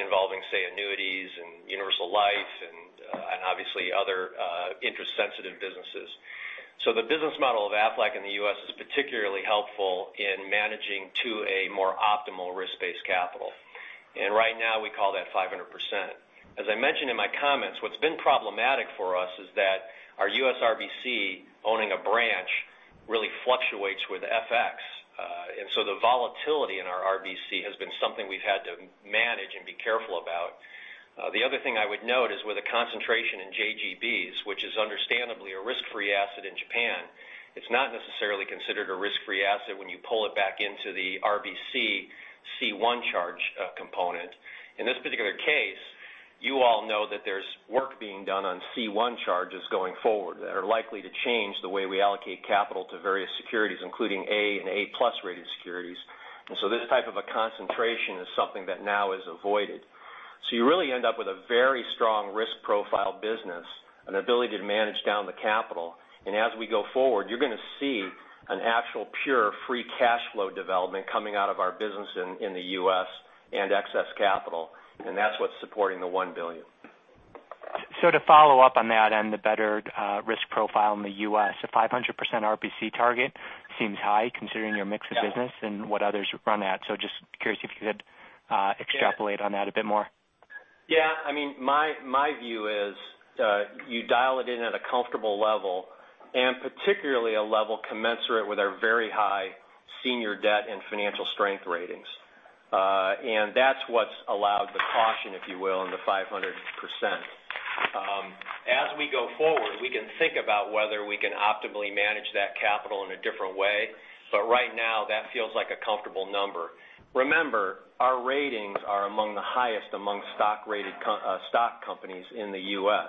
involving, say, annuities and universal life and obviously other interest-sensitive businesses. The business model of Aflac in the U.S. is particularly helpful in managing to a more optimal risk-based capital. Right now we call that 500%. As I mentioned in my comments, what's been problematic for us is that our U.S. RBC owning a branch really fluctuates with FX. The volatility in our RBC has been something we've had to manage and be careful about. The other thing I would note is with a concentration in JGBs, which is understandably a risk-free asset in Japan, it's not necessarily considered a risk-free asset when you pull it back into the RBC C1 charge component. In this particular case, you all know that there's work being done on C1 charges going forward that are likely to change the way we allocate capital to various securities, including A and A+ rated securities. This type of a concentration is something that now is avoided. You really end up with a very strong risk profile business and ability to manage down the capital. As we go forward, you're going to see an actual pure free cash flow development coming out of our business in the U.S. and excess capital, and that's what's supporting the $1 billion. To follow up on that and the better risk profile in the U.S., a 500% RBC target seems high considering your mix of business and what others run at. Just curious if you could extrapolate on that a bit more. Yeah. My view is you dial it in at a comfortable level and particularly a level commensurate with our very high senior debt and financial strength ratings. That's what's allowed the caution, if you will, in the 500%. As we go forward, we can think about whether we can optimally manage that capital in a different way. Right now, that feels like a comfortable number. Remember, our ratings are among the highest among stock-rated stock companies in the U.S.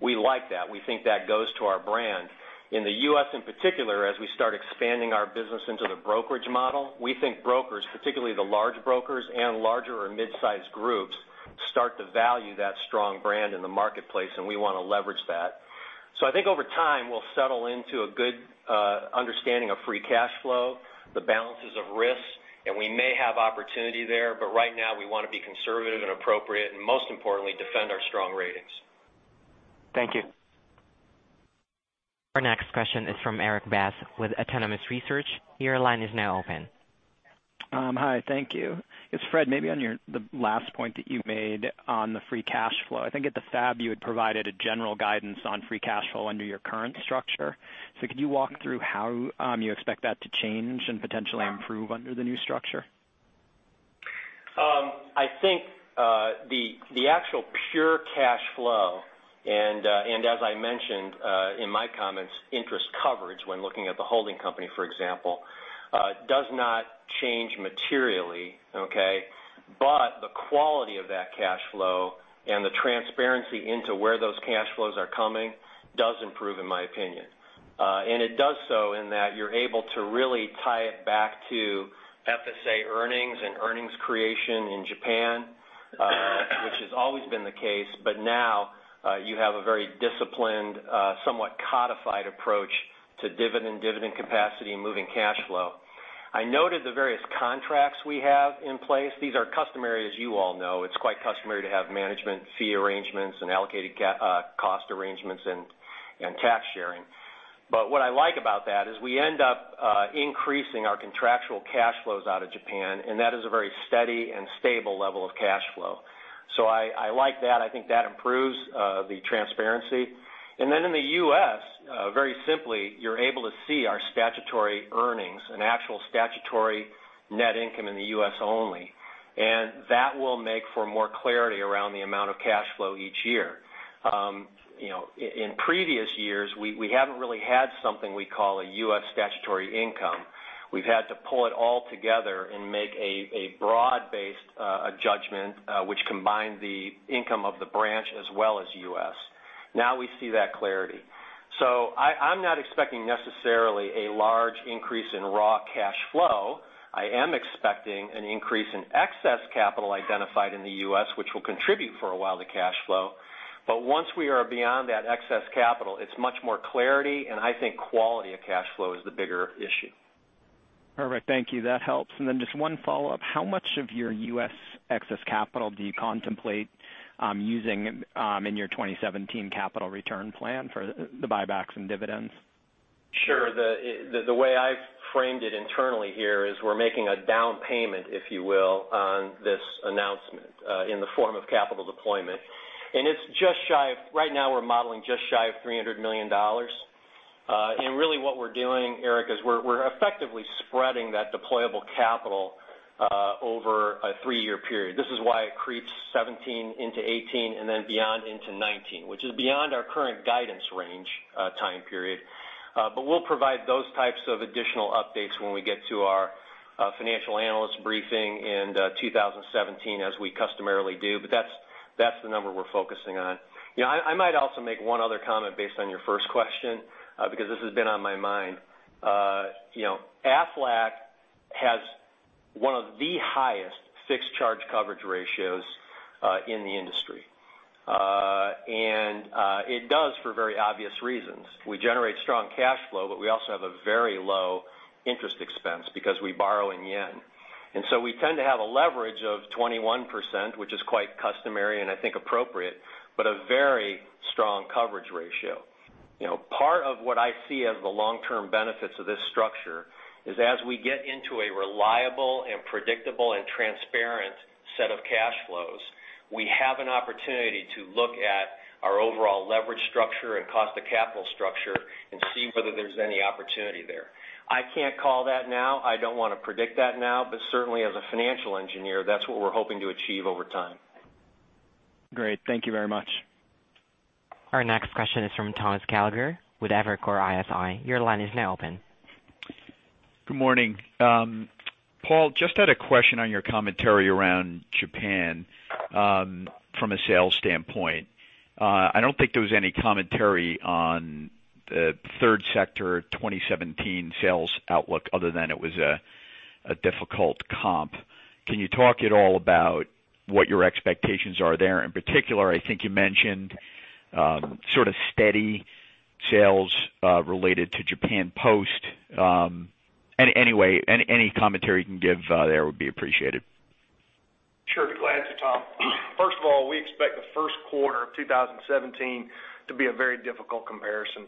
We like that. We think that goes to our brand. In the U.S., in particular, as we start expanding our business into the brokerage model, we think brokers, particularly the large brokers and larger or mid-size groups, start to value that strong brand in the marketplace, and we want to leverage that. I think over time, we'll settle into a good understanding of free cash flow, the balances of risks, and we may have opportunity there, but right now we want to be conservative and appropriate, and most importantly, defend our strong ratings. Thank you. Our next question is from Erik Bass with Autonomous Research. Your line is now open. Hi, thank you. Yes, Fred, maybe on the last point that you made on the free cash flow, I think at the FAB you had provided a general guidance on free cash flow under your current structure. Could you walk through how you expect that to change and potentially improve under the new structure? I think the actual pure cash flow, as I mentioned in my comments, interest coverage when looking at the holding company, for example, does not change materially, okay? The quality of that cash flow and the transparency into where those cash flows are coming does improve, in my opinion. It does so in that you're able to really tie it back to FSA earnings and earnings creation in Japan, which has always been the case. Now you have a very disciplined, somewhat codified approach to dividend capacity, and moving cash flow. I noted the various contracts we have in place. These are customary, as you all know. It's quite customary to have management fee arrangements and allocated cost arrangements and tax sharing. What I like about that is we end up increasing our contractual cash flows out of Japan, that is a very steady and stable level of cash flow. I like that. I think that improves the transparency. Then in the U.S., very simply, you're able to see our statutory earnings and actual statutory net income in the U.S. only, that will make for more clarity around the amount of cash flow each year. In previous years, we haven't really had something we call a U.S. statutory income. We've had to pull it all together and make a broad-based judgment, which combined the income of the branch as well as U.S. Now we see that clarity. I'm not expecting necessarily a large increase in raw cash flow. I am expecting an increase in excess capital identified in the U.S., which will contribute for a while to cash flow. Once we are beyond that excess capital, it's much more clarity, I think quality of cash flow is the bigger issue. Perfect. Thank you. That helps. Just one follow-up. How much of your U.S. excess capital do you contemplate using in your 2017 capital return plan for the buybacks and dividends? Sure. The way I've framed it internally here is we're making a down payment, if you will, on this announcement in the form of capital deployment. Right now, we're modeling just shy of $300 million. Really what we're doing, Eric, is we're effectively spreading that deployable capital over a three-year period. This is why it creeps 2017 into 2018 beyond into 2019, which is beyond our current guidance range time period. We'll provide those types of additional updates when we get to our financial analyst briefing in 2017, as we customarily do. That's the number we're focusing on. I might also make one other comment based on your first question because this has been on my mind. Aflac has one of the highest fixed charge coverage ratios in the industry. It does for very obvious reasons. We generate strong cash flow, we also have a very low interest expense because we borrow in yen. We tend to have a leverage of 21%, which is quite customary and I think appropriate, a very strong coverage ratio. Part of what I see as the long-term benefits of this structure is as we get into a reliable and predictable and transparent set of cash flows, we have an opportunity to look at our overall leverage structure and cost of capital structure and see whether there's any opportunity there. I can't call that now. I don't want to predict that now, but certainly as a financial engineer, that's what we're hoping to achieve over time. Great. Thank you very much. Our next question is from Thomas Gallagher with Evercore ISI. Your line is now open. Good morning. Paul, just had a question on your commentary around Japan from a sales standpoint. I don't think there was any commentary on the third sector 2017 sales outlook other than it was a difficult comp. Can you talk at all about what your expectations are there? In particular, I think you mentioned sort of steady sales related to Japan Post. Any commentary you can give there would be appreciated. Sure, glad to, Tom. First of all, we expect the first quarter of 2017 to be a very difficult comparison.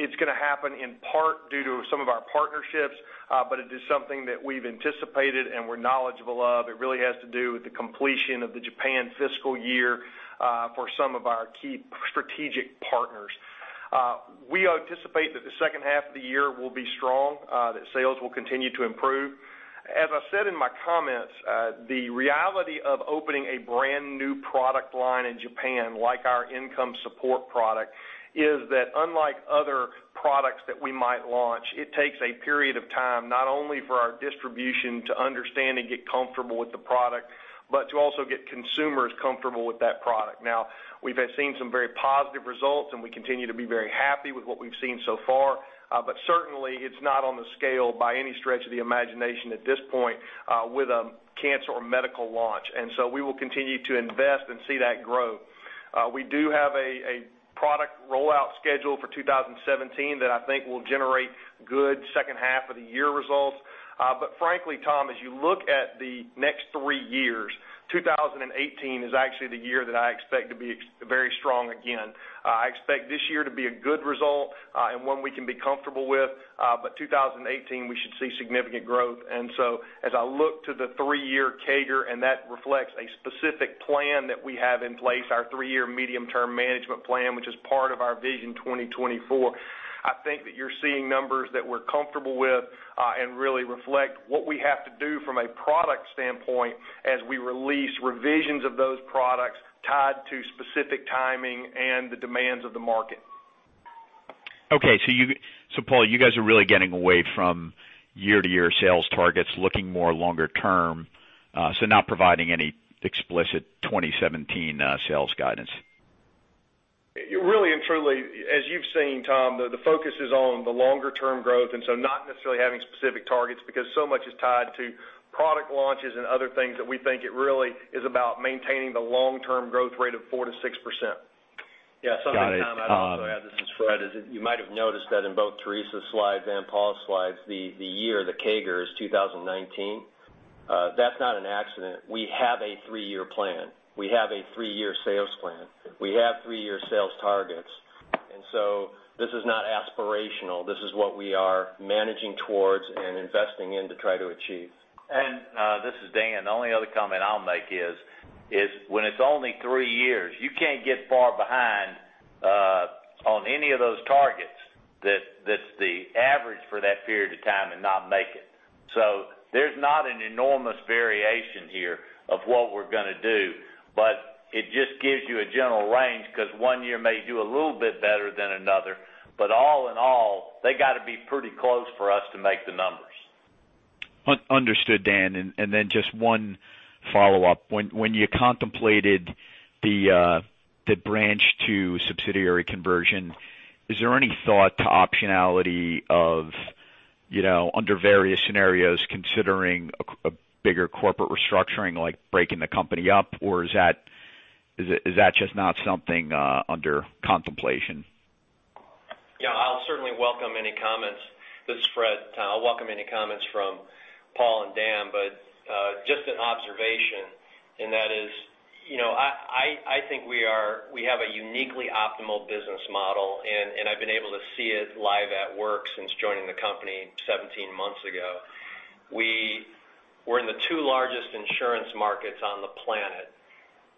It's going to happen in part due to some of our partnerships, but it is something that we've anticipated and we're knowledgeable of. It really has to do with the completion of the Japan fiscal year for some of our key strategic partners. We anticipate that the second half of the year will be strong, that sales will continue to improve. As I said in my comments, the reality of opening a brand-new product line in Japan, like our income support product, is that unlike other products that we might launch, it takes a period of time, not only for our distribution to understand and get comfortable with the product, but to also get consumers comfortable with that product. We've been seeing some very positive results, and we continue to be very happy with what we've seen so far. Certainly, it's not on the scale by any stretch of the imagination at this point, with a cancer or medical launch. We will continue to invest and see that growth. We do have a product rollout schedule for 2017 that I think will generate good second half of the year results. Frankly, Tom, as you look at the next three years, 2018 is actually the year that I expect to be very strong again. I expect this year to be a good result, and one we can be comfortable with. 2018, we should see significant growth. As I look to the three-year CAGR, that reflects a specific plan that we have in place, our three-year medium-term management plan, which is part of our VISION 2024, I think that you're seeing numbers that we're comfortable with, and really reflect what we have to do from a product standpoint as we release revisions of those products tied to specific timing and the demands of the market. Okay. Paul, you guys are really getting away from year-to-year sales targets, looking more longer term, not providing any explicit 2017 sales guidance. Really and truly, as you've seen, Tom, the focus is on the longer term growth, and so not necessarily having specific targets, because so much is tied to product launches and other things that we think it really is about maintaining the long-term growth rate of 4%-6%. Got it, Tom. Yeah. Something, Thomas, I'd also add, this is Fred, is that you might have noticed that in both Teresa's slides and Paul's slides, the year, the CAGR, is 2019. That's not an accident. We have a three-year plan. We have a three-year sales plan. We have three-year sales targets. This is not aspirational. This is what we are managing towards and investing in to try to achieve. This is Dan. The only other comment I'll make is, when it's only three years, you can't get far behind on any of those targets that's the average for that period of time and not make it. There's not an enormous variation here of what we're going to do. It just gives you a general range, because one year may do a little bit better than another, but all in all, they got to be pretty close for us to make the numbers. Understood, Dan. Just one follow-up. When you contemplated the branch to subsidiary conversion, is there any thought to optionality of under various scenarios, considering a bigger corporate restructuring, like breaking the company up? Is that just not something under contemplation? Yeah, I'll certainly welcome any comments. This is Fred, Thomas. I'll welcome any comments from Paul and Dan, just an observation, and that is, I think we have a uniquely optimal business model, and I've been able to see it live at work since joining the company 17 months ago. We're in the two largest insurance markets on the planet.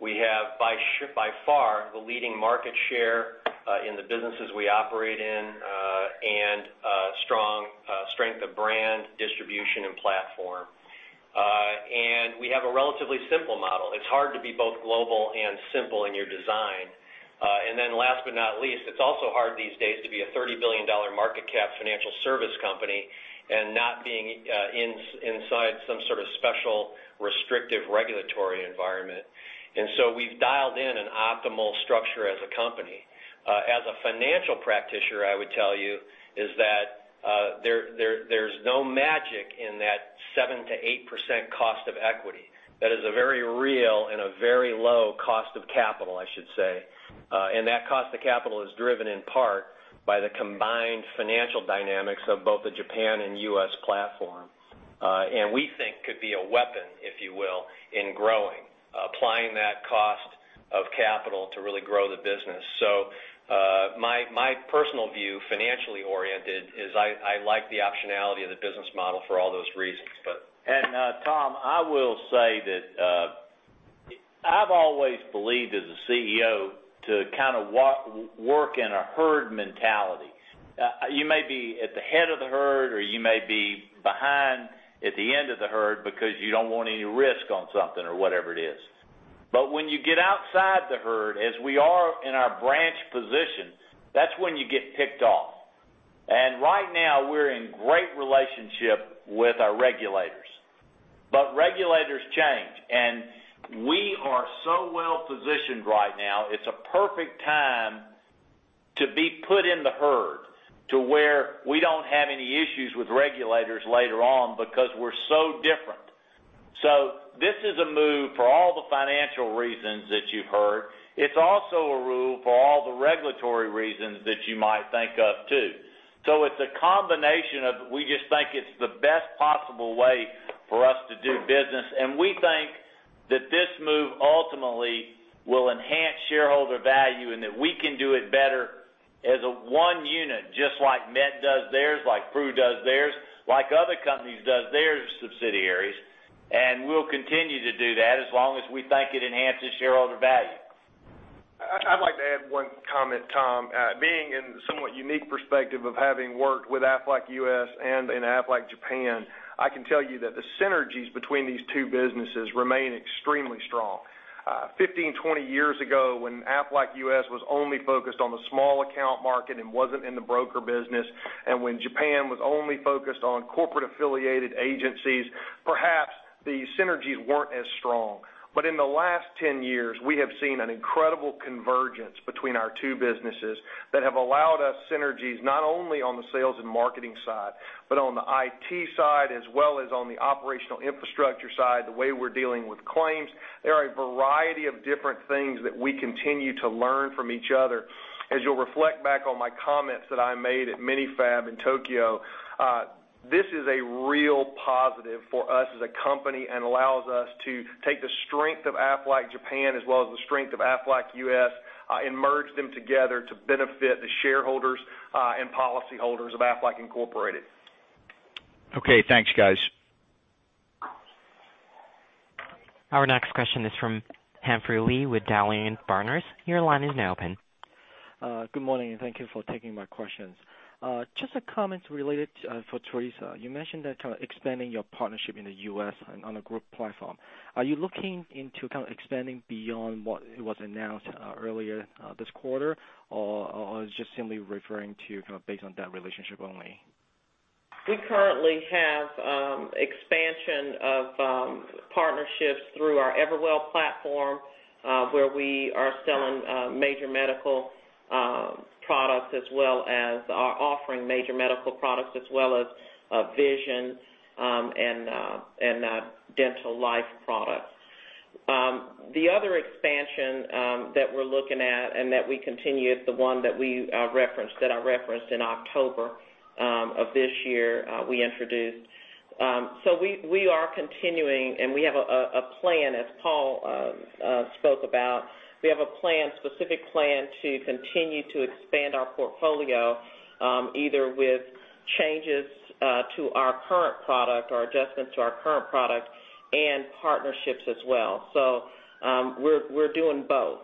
We have, by far, the leading market share in the businesses we operate in, and strength of brand, distribution, and platform. We have a relatively simple model. It's hard to be both global and simple in your design. Last but not least, it's also hard these days to be a JPY 30 billion market cap financial service company and not being inside some sort of special restrictive regulatory environment. We've dialed in an optimal structure as a company. As a financial practitioner, I would tell you is that there's no magic in that 7%-8% cost of equity. That is a very real and a very low cost of capital, I should say. That cost of capital is driven in part by the combined financial dynamics of both the Japan and U.S. platform. We think could be a weapon, if you will, in growing, applying that cost of capital to really grow the business. My personal view, financially oriented, is I like the optionality of the business model for all those reasons. Tom, I will say that I've always believed as a CEO to kind of work in a herd mentality. You may be at the head of the herd or you may be behind at the end of the herd because you don't want any risk on something or whatever it is. When you get outside the herd, as we are in our branch position, that's when you get picked off. Right now we're in great relationship with our regulators. Regulators change, and we are so well positioned right now, it's a perfect time to be put in the herd to where we don't have any issues with regulators later on because we're so different. This is a move for all the financial reasons that you've heard. It's also a move for all the regulatory reasons that you might think of, too. It's a combination of we just think it's the best possible way for us to do business, and we think that this move ultimately will enhance shareholder value and that we can do it better as a one unit, just like MetLife does theirs, like Prudential does theirs, like other companies does their subsidiaries. We'll continue to do that as long as we think it enhances shareholder value. I'd like to add one comment, Tom. Being in the somewhat unique perspective of having worked with Aflac U.S. and in Aflac Japan, I can tell you that the synergies between these two businesses remain extremely strong. 15, 20 years ago, when Aflac U.S. was only focused on the small account market and wasn't in the broker business, and when Aflac Japan was only focused on corporate affiliated agencies, perhaps the synergies weren't as strong. In the last 10 years, we have seen an incredible convergence between our two businesses that have allowed us synergies, not only on the sales and marketing side, but on the IT side, as well as on the operational infrastructure side, the way we're dealing with claims. There are a variety of different things that we continue to learn from each other. As you'll reflect back on my comments that I made at Mini FAB in Tokyo, this is a real positive for us as a company, allows us to take the strength of Aflac Japan as well as the strength of Aflac U.S., and merge them together to benefit the shareholders, and policyholders of Aflac Incorporated. Okay, thanks, guys. Our next question is from Humphrey Lee with Dowling & Partners. Your line is now open. Good morning. Thank you for taking my questions. Just a comment related for Teresa. You mentioned that expanding your partnership in the U.S. and on a group platform. Are you looking into kind of expanding beyond what was announced earlier this quarter? Just simply referring to kind of based on that relationship only? We currently have expansion of partnerships through our Everwell platform, where we are selling major medical products as well as are offering major medical products as well as vision and dental life products. The other expansion that we're looking at and that we continue is the one that I referenced in October of this year, we introduced. We are continuing, and we have a plan, as Paul spoke about. We have a specific plan to continue to expand our portfolio, either with changes to our current product or adjustments to our current product and partnerships as well. We're doing both.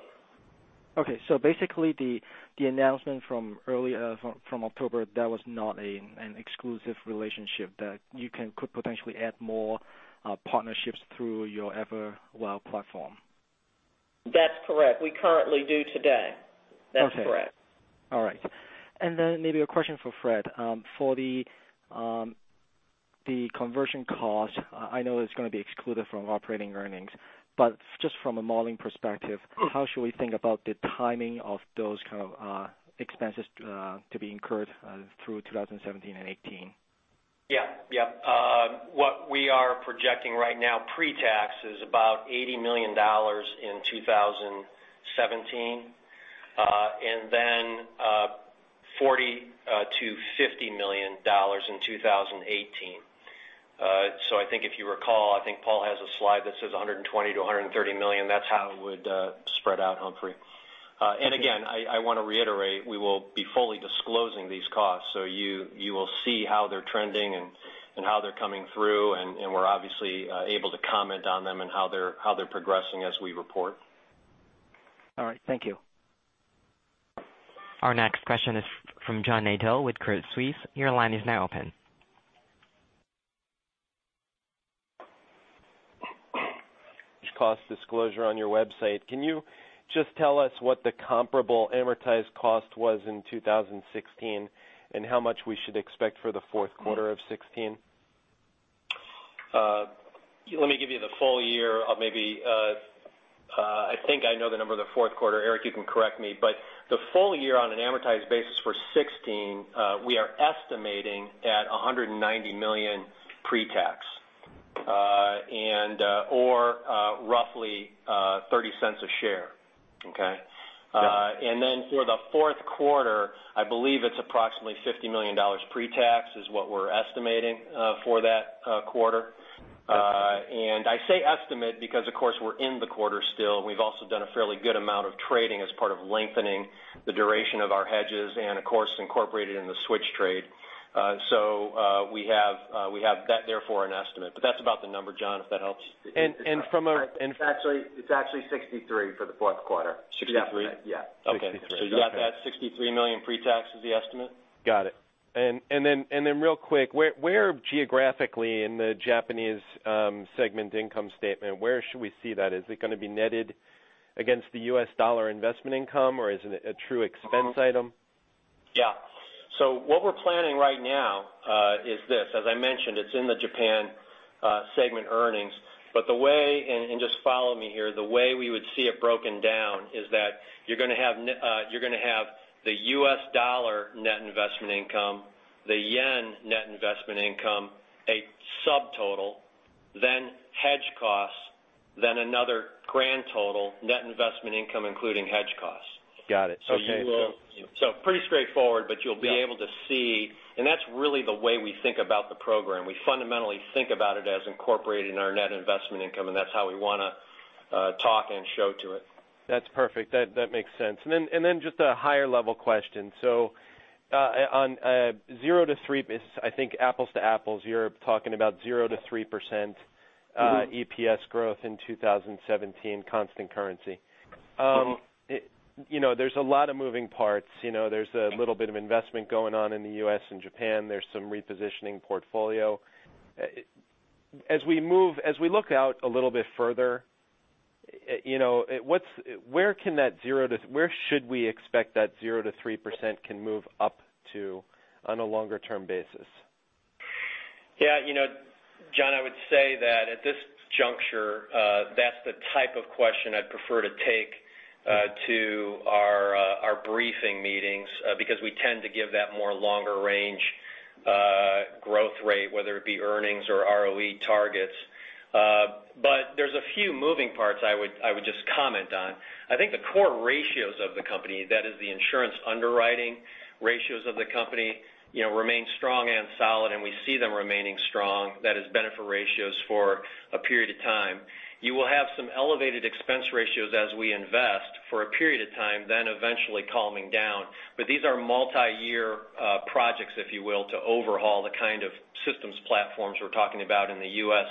Okay. Basically the announcement from October, that was not an exclusive relationship, that you could potentially add more partnerships through your Everwell platform. That's correct. We currently do today. That's correct. Okay. All right. Then maybe a question for Fred. For the conversion cost, I know it is going to be excluded from operating earnings, but just from a modeling perspective, how should we think about the timing of those kind of expenses to be incurred through 2017 and 2018? Yeah. What we are projecting right now, pre-tax, is about $80 million in 2017, and then $40 million-$50 million in 2018. I think if you recall, I think Paul has a slide that says $120 million-$130 million. That is how it would spread out, Humphrey. Again, I want to reiterate, we will be fully disclosing these costs so you will see how they are trending and how they are coming through, and we are obviously able to comment on them and how they are progressing as we report. All right. Thank you. Our next question is from John Nadel with Credit Suisse. Your line is now open. Cost disclosure on your website. Can you just tell us what the comparable amortized cost was in 2016, and how much we should expect for the fourth quarter of 2016? Let me give you the full year. I think I know the number of the fourth quarter. Eric, you can correct me. The full year on an amortized basis for 2016, we are estimating at $190 million pre-tax, or roughly $0.30 a share. Okay? Yeah. For the fourth quarter, I believe it's approximately $50 million pre-tax, is what we're estimating for that quarter. Okay. I say estimate because, of course, we're in the quarter still, and we've also done a fairly good amount of trading as part of lengthening the duration of our hedges and, of course, incorporated in the switch trade. We have therefore an estimate. That's about the number, John, if that helps. And from a- It's actually $63 million for the fourth quarter. Sixty-three? Yeah. Okay. You got that $63 million pre-tax as the estimate? Got it. Real quick, where geographically in the Japanese Segment income statement, where should we see that? Is it going to be netted against the U.S. dollar investment income, or is it a true expense item? Yeah. What we're planning right now is this. As I mentioned, it's in the Japan segment earnings. Just follow me here. The way we would see it broken down is that you're going to have the U.S. dollar net investment income, the JPY net investment income, a subtotal, then hedge costs, then another grand total net investment income, including hedge costs. Got it. Okay. Pretty straightforward, but you'll be able to see, and that's really the way we think about the program. We fundamentally think about it as incorporating our net investment income, and that's how we want to Talk and show to it. That's perfect. That makes sense. Just a higher level question. On 0-3, I think apples to apples, you're talking about 0-3% EPS growth in 2017, constant currency. There's a lot of moving parts, there's a little bit of investment going on in the U.S. and Japan. There's some repositioning portfolio. As we look out a little bit further, where should we expect that 0-3% can move up to on a longer term basis? Yeah. John, I would say that at this juncture, that's the type of question I'd prefer to take to our briefing meetings, because we tend to give that more longer range growth rate, whether it be earnings or ROE targets. There's a few moving parts I would just comment on. I think the core ratios of the company, that is the insurance underwriting ratios of the company, remain strong and solid, and we see them remaining strong, that is benefit ratios for a period of time. You will have some elevated expense ratios as we invest for a period of time, then eventually calming down. These are multi-year projects, if you will, to overhaul the kind of systems platforms we're talking about in the U.S.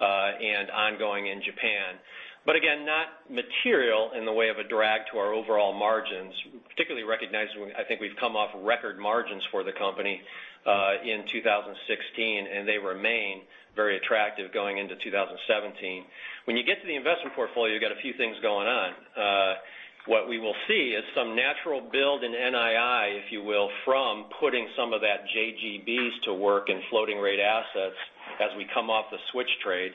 and ongoing in Japan. Again, not material in the way of a drag to our overall margins, particularly recognizing, I think we've come off record margins for the company in 2016, and they remain very attractive going into 2017. When you get to the investment portfolio, you've got a few things going on. What we will see is some natural build in NII, if you will, from putting some of that JGBs to work in floating rate assets as we come off the switch trade.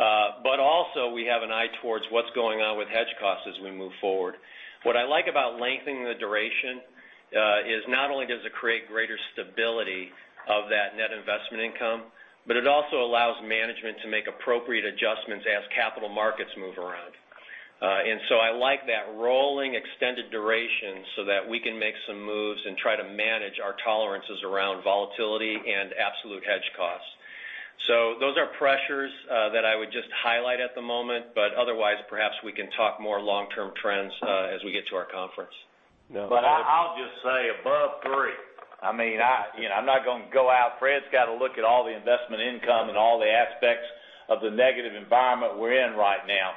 Also we have an eye towards what's going on with hedge costs as we move forward. What I like about lengthening the duration, is not only does it create greater stability of that net investment income, but it also allows management to make appropriate adjustments as capital markets move around. I like that rolling extended duration so that we can make some moves and try to manage our tolerances around volatility and absolute hedge costs. Those are pressures that I would just highlight at the moment, otherwise, perhaps we can talk more long-term trends as we get to our conference. I'll just say above three. I'm not going to go out, Fred's got to look at all the investment income and all the aspects of the negative environment we're in right now.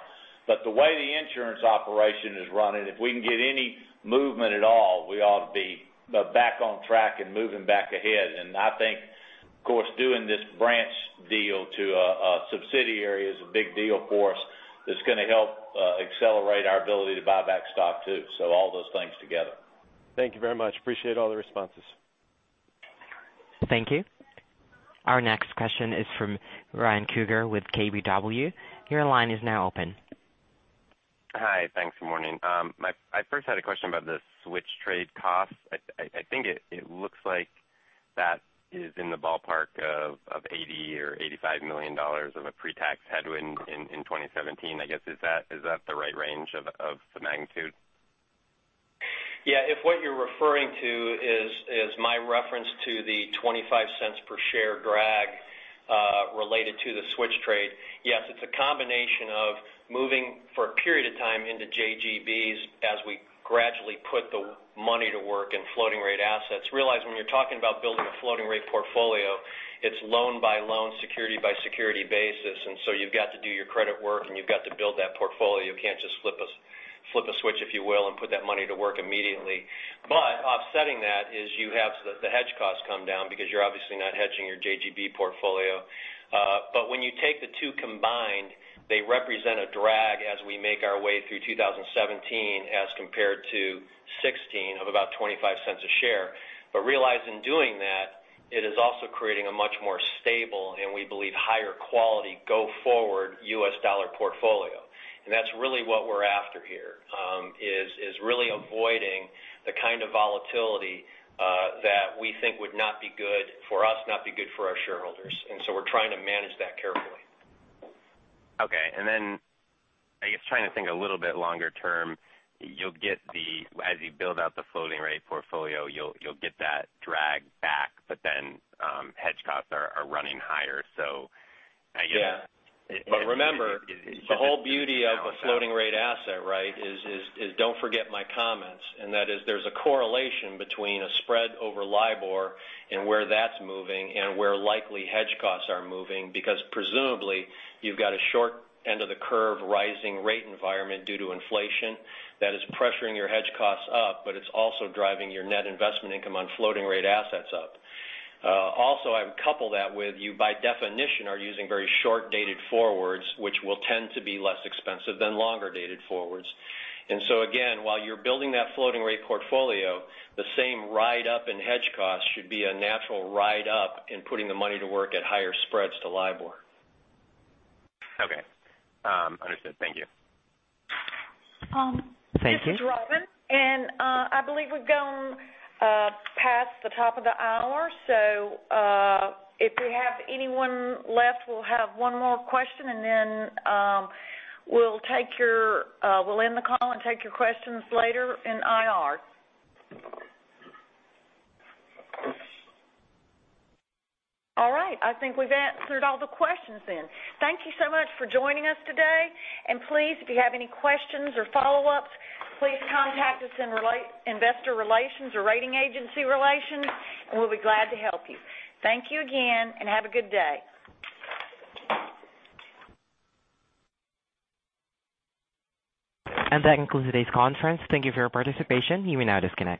The way the insurance operation is running, if we can get any movement at all, we ought to be back on track and moving back ahead. I think, of course, doing this branch deal to a subsidiary is a big deal for us that's going to help accelerate our ability to buy back stock too. All those things together. Thank you very much. Appreciate all the responses. Thank you. Our next question is from Ryan Krueger with KBW. Your line is now open. Hi. Thanks. Good morning. I first had a question about the switch trade cost. I think it looks like that is in the ballpark of $80 million-$85 million of a pre-tax headwind in 2017. I guess is that the right range of the magnitude? Yeah, if what you're referring to is my reference to the $0.25 per share drag, related to the switch trade. Yes, it's a combination of moving for a period of time into JGBs as we gradually put the money to work in floating rate assets. Realize when you're talking about building a floating rate portfolio, it's loan by loan, security by security basis. You've got to do your credit work, and you've got to build that portfolio. You can't just flip a switch, if you will, and put that money to work immediately. Offsetting that is you have the hedge costs come down because you're obviously not hedging your JGB portfolio. When you take the two combined, they represent a drag as we make our way through 2017 as compared to 2016 of about $0.25 a share. Realize in doing that, it is also creating a much more stable and we believe higher quality go forward U.S. dollar portfolio. That's really what we're after here, is really avoiding the kind of volatility that we think would not be good for us, not be good for our shareholders. We're trying to manage that carefully. Okay. I guess trying to think a little bit longer term, as you build out the floating rate portfolio, you'll get that drag back, hedge costs are running higher. I guess. Yeah. Remember, the whole beauty of a floating rate asset, right, is don't forget my comments, and that is there's a correlation between a spread over LIBOR and where that's moving and where likely hedge costs are moving because presumably you've got a short end of the curve rising rate environment due to inflation that is pressuring your hedge costs up, but it's also driving your net investment income on floating rate assets up. Also, I would couple that with you by definition are using very short dated forwards which will tend to be less expensive than longer dated forwards. Again, while you're building that floating rate portfolio, the same ride up in hedge costs should be a natural ride up in putting the money to work at higher spreads to LIBOR. Okay. Understood. Thank you. Thank you. This is Robin. I believe we've gone past the top of the hour. If we have anyone left, we'll have one more question. Then we'll end the call and take your questions later in IR. All right. I think we've answered all the questions then. Thank you so much for joining us today. Please, if you have any questions or follow-ups, please contact us in investor relations or rating agency relations. We'll be glad to help you. Thank you again. Have a good day. That concludes today's conference. Thank you for your participation. You may now disconnect.